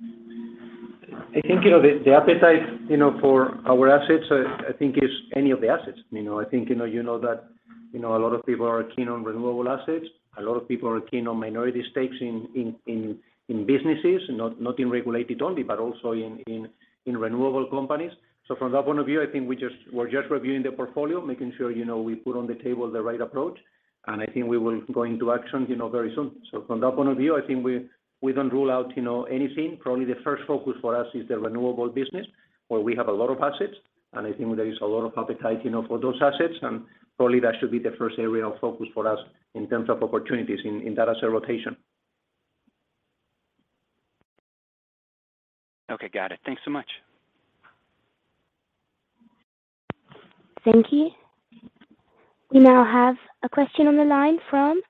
I think, you know, the appetite, you know, for our assets, I think is any of the assets, you know. I think, you know, you know that, you know, a lot of people are keen on renewable assets. A lot of people are keen on minority stakes in businesses, not in regulated only, but also in renewable companies. From that point of view, I think we're just reviewing the portfolio, making sure, you know, we put on the table the right approach. I think we will go into action, you know, very soon. From that point of view, I think we don't rule out, you know, anything. Probably the first focus for us is the renewable business, where we have a lot of assets, and I think there is a lot of appetite, you know, for those assets. Probably that should be the first area of focus for us in terms of opportunities in that asset rotation. Okay. Got it. Thanks so much. Thank you. We now have a question on the line from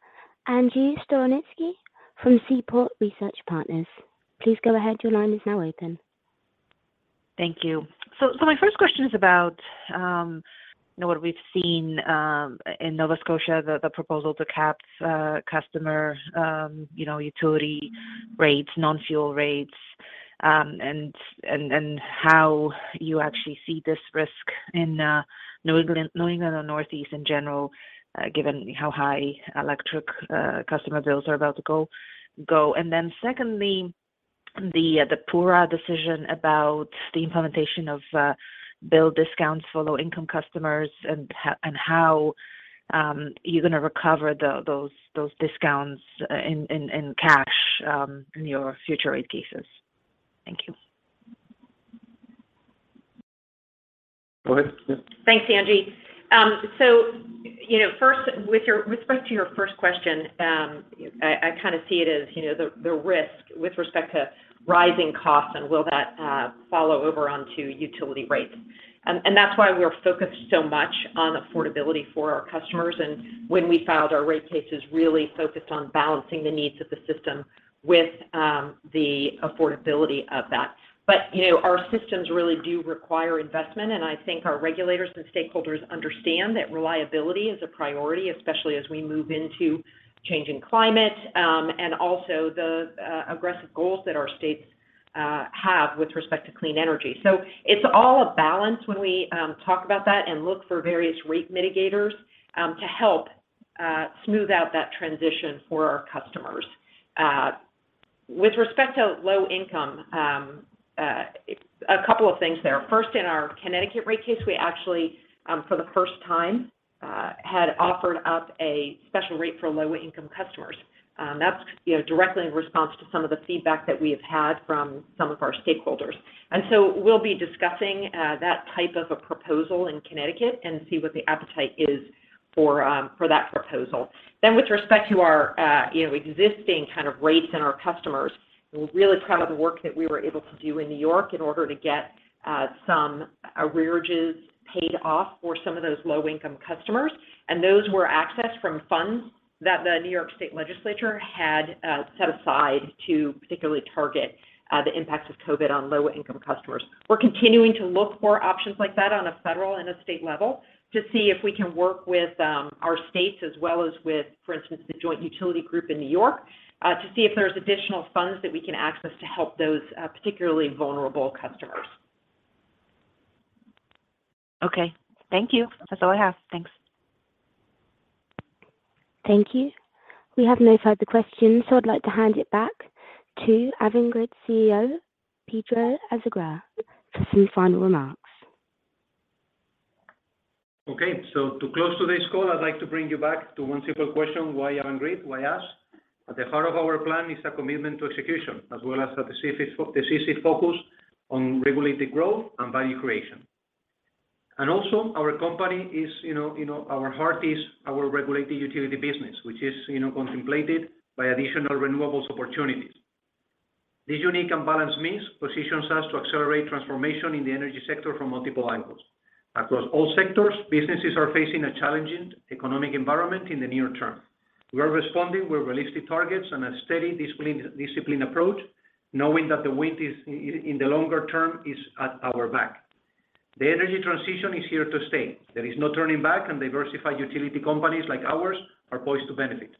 Angie Storozynski from Seaport Research Partners. Please go ahead. Your line is now open. Thank you. My first question is about, you know, what we've seen in Nova Scotia, the proposal to cap customer, you know, utility rates, non-fuel rates, and how you actually see this risk in New England or Northeast in general, given how high electric customer bills are about to go. Secondly, the PURA decision about the implementation of bill discounts for low-income customers and how you're gonna recover those discounts in cash in your future rate cases. Thank you. Go ahead. Yeah. Thanks, Angie. You know, first with respect to your first question, I kind of see it as, you know, the risk with respect to rising costs and will that follow over onto utility rates. That's why we're focused so much on affordability for our customers. When we filed our rate cases, really focused on balancing the needs of the system with the affordability of that. You know, our systems really do require investment, and I think our regulators and stakeholders understand that reliability is a priority, especially as we move into changing climate, and also the aggressive goals that our states have with respect to clean energy. It's all a balance when we talk about that and look for various rate mitigators to help smooth out that transition for our customers. With respect to low-income, it's a couple of things there. First, in our Connecticut rate case, we actually for the first time had offered up a special rate for low-income customers. That's, you know, directly in response to some of the feedback that we have had from some of our stakeholders. We'll be discussing that type of a proposal in Connecticut and see what the appetite is for that proposal. With respect to our, you know, existing kind of rates and our customers, we're really proud of the work that we were able to do in New York in order to get some arrearages paid off for some of those low-income customers. Those were accessed from funds that the New York State legislature had set aside to particularly target the impacts of COVID on low-income customers. We're continuing to look for options like that on a federal and a state level to see if we can work with our states as well as with, for instance, the Joint Utilities of New York, to see if there's additional funds that we can access to help those particularly vulnerable customers. Okay. Thank you. That's all I have. Thanks. Thank you. We have no further questions, so I'd like to hand it back to Avangrid CEO, Pedro Azagra, for some final remarks. Okay. To close today's call, I'd like to bring you back to one simple question, why Avangrid, why us? At the heart of our plan is a commitment to execution, as well as a specific focus on regulated growth and value creation. Also our company is, you know, our heart is our regulated utility business, which is, you know, contemplated by additional renewables opportunities. This unique and balanced mix positions us to accelerate transformation in the energy sector from multiple angles. Across all sectors, businesses are facing a challenging economic environment in the near term. We are responding with realistic targets and a steady discipline approach, knowing that the wind is in the longer term is at our back. The energy transition is here to stay. There is no turning back, and diversified utility companies like ours are poised to benefit.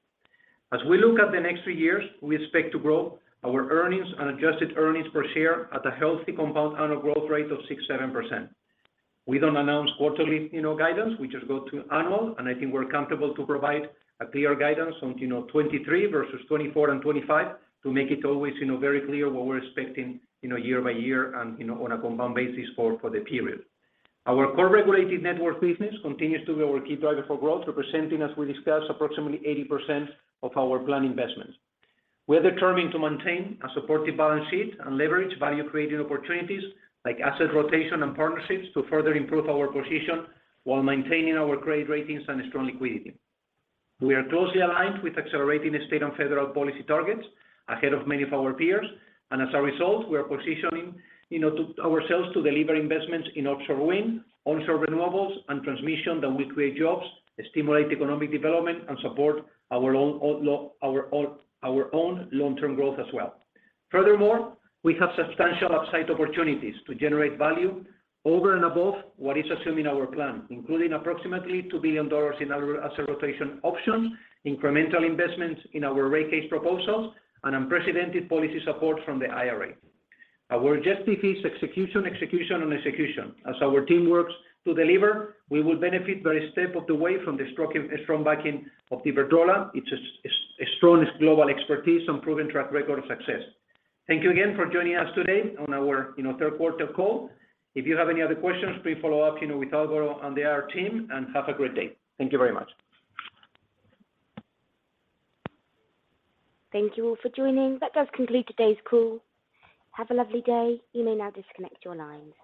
As we look at the next three years, we expect to grow our earnings and adjusted earnings per share at a healthy compound annual growth rate of 6%-7%. We don't announce quarterly, you know, guidance. We just go to annual, and I think we're comfortable to provide a clear guidance on, you know, 2023 versus 2024 and 2025 to make it always, you know, very clear what we're expecting, you know, year by year and, you know, on a compound basis for the period. Our core regulated network business continues to be our key driver for growth, representing, as we discussed, approximately 80% of our planned investments. We are determined to maintain a supportive balance sheet and leverage value-creating opportunities like asset rotation and partnerships to further improve our position while maintaining our great ratings and strong liquidity. We are closely aligned with accelerating state and federal policy targets ahead of many of our peers. As a result, we are positioning ourselves, you know, to deliver investments in offshore wind, onshore renewables, and transmission that will create jobs, stimulate economic development, and support our own long-term growth as well. Furthermore, we have substantial upside opportunities to generate value over and above what is assumed in our plan, including approximately $2 billion in our asset rotation options, incremental investments in our rate case proposals, and unprecedented policy support from the IRA. Our objective is execution, and execution. As our team works to deliver, we will benefit every step of the way from the strong backing of Iberdrola, its strong global expertise and proven track record of success. Thank you again for joining us today on our, you know, third quarter call. If you have any other questions, please follow up, you know, with Alvaro on the IR team, and have a great day. Thank you very much. Thank you all for joining. That does conclude today's call. Have a lovely day. You may now disconnect your lines.